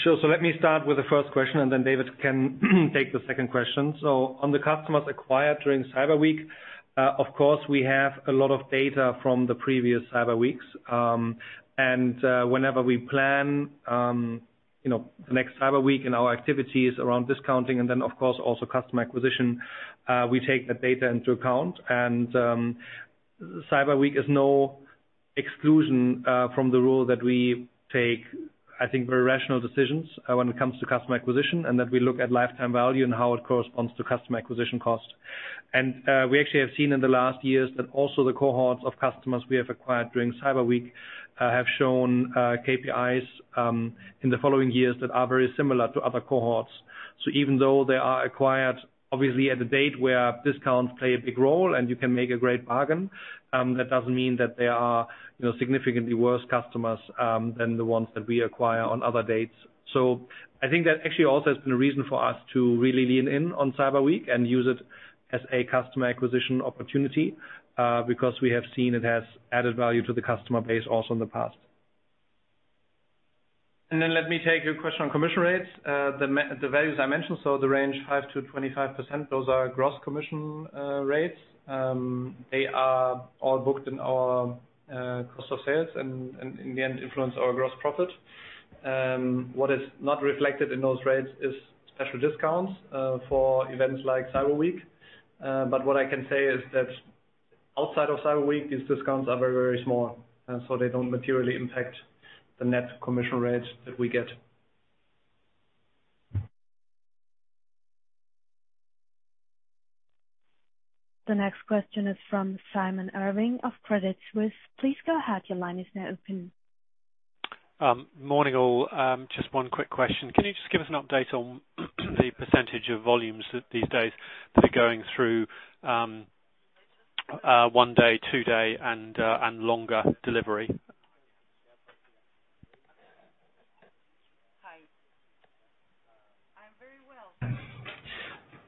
Sure. Let me start with the first question, and then David can take the second question. On the customers acquired during Cyber Week, of course, we have a lot of data from the previous Cyber Weeks. Whenever we plan the next Cyber Week and our activities around discounting and then, of course, also customer acquisition, we take that data into account. Cyber Week is no exclusion from the rule that we take, I think, very rational decisions when it comes to customer acquisition. That we look at lifetime value and how it corresponds to customer acquisition cost. We actually have seen in the last years that also the cohorts of customers we have acquired during Cyber Week have shown KPIs in the following years that are very similar to other cohorts. Even though they are acquired, obviously at a date where discounts play a big role and you can make a great bargain, that doesn't mean that they are significantly worse customers than the ones that we acquire on other dates. I think that actually also has been a reason for us to really lean in on Cyber Week and use it as a customer acquisition opportunity, because we have seen it has added value to the customer base also in the past. Then let me take your question on commission rates. The values I mentioned, so the range 5%-25%, those are gross commission rates. They are all booked in our cost of sales and in the end influence our gross profit. What is not reflected in those rates is special discounts for events like Cyber Week. What I can say is that outside of Cyber Week, these discounts are very, very small, so they don't materially impact the net commission rates that we get. The next question is from Simon Irwin of Credit Suisse. Please go ahead. Your line is now open. Morning, all. Just one quick question. Can you just give us an update on the percentage of volumes these days that are going through one-day, two-day, and longer delivery?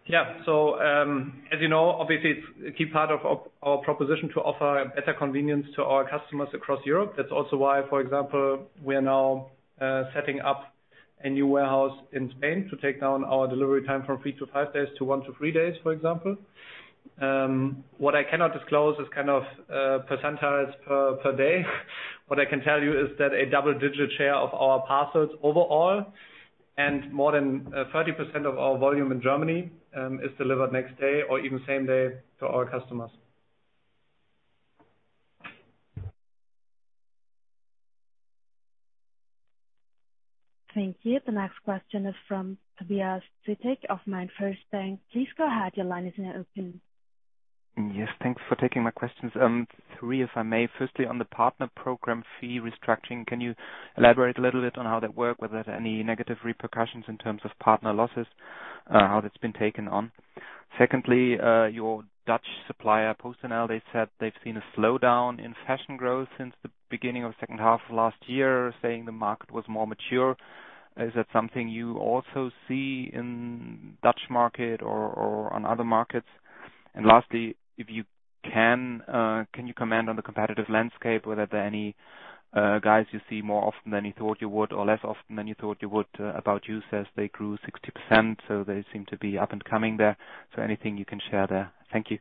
Yeah. As you know, obviously it's a key part of our proposition to offer better convenience to our customers across Europe. That's also why, for example, we are now setting up a new warehouse in Spain to take down our delivery time from three to five days to one to three days, for example. What I cannot disclose is percentiles per day. What I can tell you is that a double-digit share of our parcels overall, and more than 30% of our volume in Germany, is delivered next day or even same day to our customers. Thank you. The next question is from Tobias Sittig of MainFirst Bank. Please go ahead. Your line is now open. Yes, thanks for taking my questions. Three, if I may. Firstly, on the partner program fee restructuring, can you elaborate a little bit on how that worked, whether there's any negative repercussions in terms of partner losses, how that's been taken on? Secondly, your Dutch supplier, PostNL, they said they've seen a slowdown in fashion growth since the beginning of the second half of last year, saying the market was more mature. Is that something you also see in Dutch market or on other markets? Lastly, if you can you comment on the competitive landscape, whether there are any guys you see more often than you thought you would or less often than you thought you would? ABOUT YOU says they grew 60%, they seem to be up and coming there. Anything you can share there. Thank you.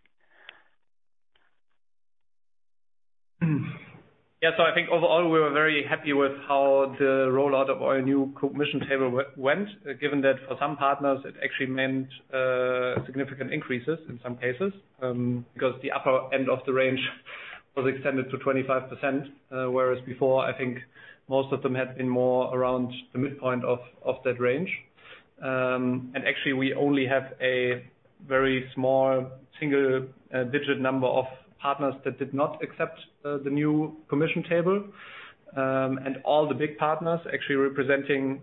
I think overall, we were very happy with how the rollout of our new commission table went, given that for some partners it actually meant significant increases in some cases, because the upper end of the range was extended to 25%, whereas before I think most of them had been more around the midpoint of that range. Actually, we only have a very small single-digit number of partners that did not accept the new commission table. All the big partners, actually representing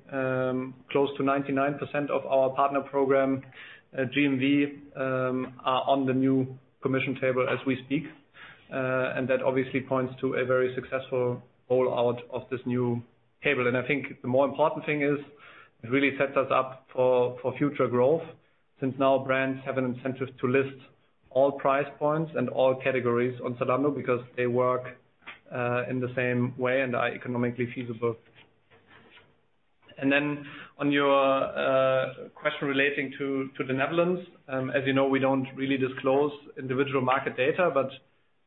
close to 99% of our partner program GMV, are on the new commission table as we speak. That obviously points to a very successful rollout of this new table. I think the more important thing is it really sets us up for future growth, since now brands have an incentive to list all price points and all categories on Zalando because they work in the same way and are economically feasible. On your question relating to the Netherlands, as you know, we don't really disclose individual market data, but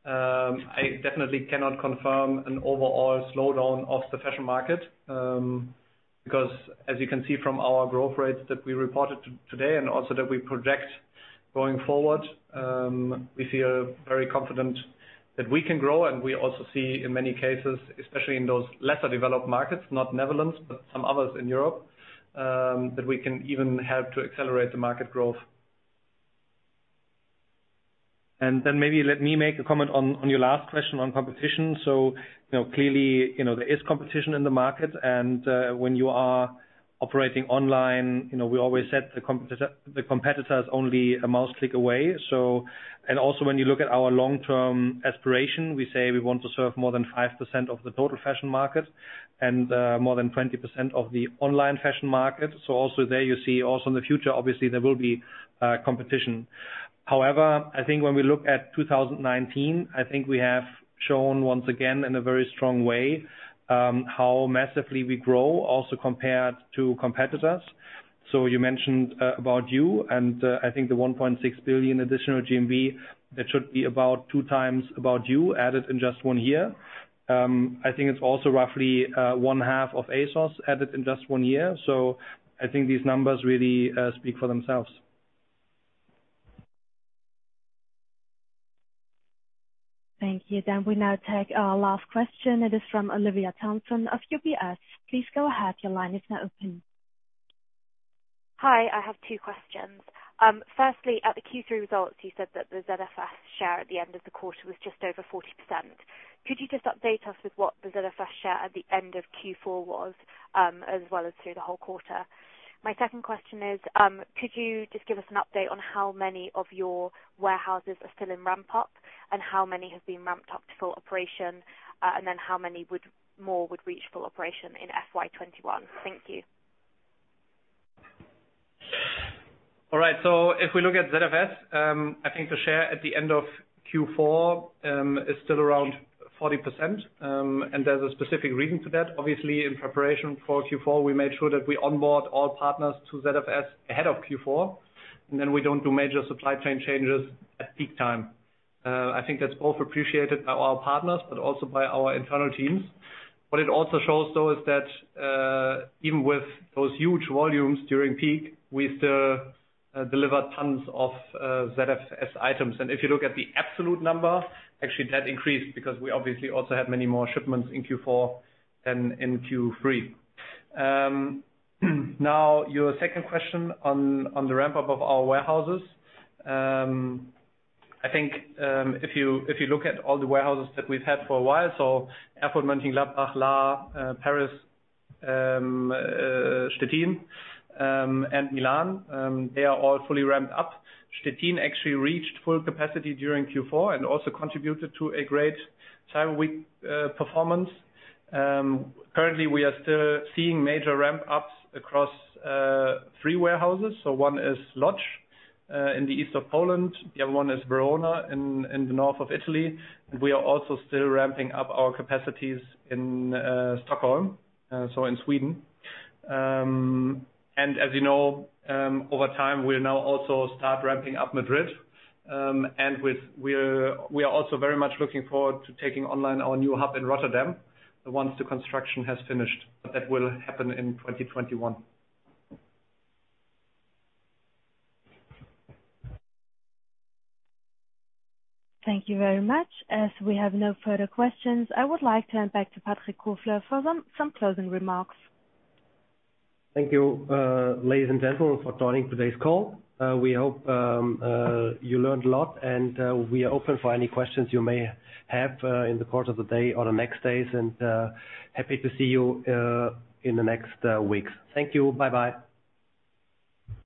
I definitely cannot confirm an overall slowdown of the fashion market, because as you can see from our growth rates that we reported today and also that we project going forward, we feel very confident that we can grow, and we also see in many cases, especially in those lesser developed markets, not Netherlands, but some others in Europe, that we can even help to accelerate the market growth. Maybe let me make a comment on your last question on competition. Clearly, there is competition in the market, and when you are operating online, we always said the competitor's only a mouse click away. When you look at our long-term aspiration, we say we want to serve more than 5% of the total fashion market and more than 20% of the online fashion market. There you see also in the future, obviously, there will be competition. When we look at 2019, I think we have shown once again in a very strong way how massively we grow also compared to competitors. You mentioned ABOUT YOU, and I think the 1.6 billion additional GMV, that should be about two times ABOUT YOU added in just one year. I think it's also roughly one half of ASOS added in just one year. I think these numbers really speak for themselves. Thank you. We now take our last question. It is from Olivia Townsend of UBS. Please go ahead. Your line is now open. Hi. I have two questions. Firstly, at the Q3 results, you said that the ZFS share at the end of the quarter was just over 40%. Could you just update us with what the ZFS share at the end of Q4 was, as well as through the whole quarter? My second question is, could you just give us an update on how many of your warehouses are still in ramp-up and how many have been ramped up to full operation, and then how many more would reach full operation in FY 2021? Thank you. All right. If we look at ZFS, I think the share at the end of Q4 is still around 40%, and there's a specific reason for that. Obviously, in preparation for Q4, we made sure that we onboard all partners to ZFS ahead of Q4, and then we don't do major supply chain changes at peak time. I think that's both appreciated by our partners, but also by our internal teams. What it also shows, though, is that even with those huge volumes during peak, we still delivered tons of ZFS items. If you look at the absolute number, actually that increased because we obviously also had many more shipments in Q4 than in Q3. Now, your second question on the ramp-up of our warehouses. I think, if you look at all the warehouses that we've had for a while, Erfurt, Mönchengladbach, Lahr, Paris, Szczecin, and Milan, they are all fully ramped up. Szczecin actually reached full capacity during Q4 and also contributed to a great Cyber Week performance. Currently, we are still seeing major ramp-ups across three warehouses. One is Lodz in the east of Poland, the other one is Verona in the north of Italy, and we are also still ramping up our capacities in Stockholm, so in Sweden. As you know, over time, we'll now also start ramping up Madrid. We are also very much looking forward to taking online our new hub in Rotterdam once the construction has finished. That will happen in 2021. Thank you very much. As we have no further questions, I would like to hand back to Patrick Kofler for some closing remarks. Thank you, ladies and gentlemen, for joining today's call. We hope you learned a lot, and we are open for any questions you may have in the course of the day or the next days, and happy to see you in the next weeks. Thank you. Bye-bye.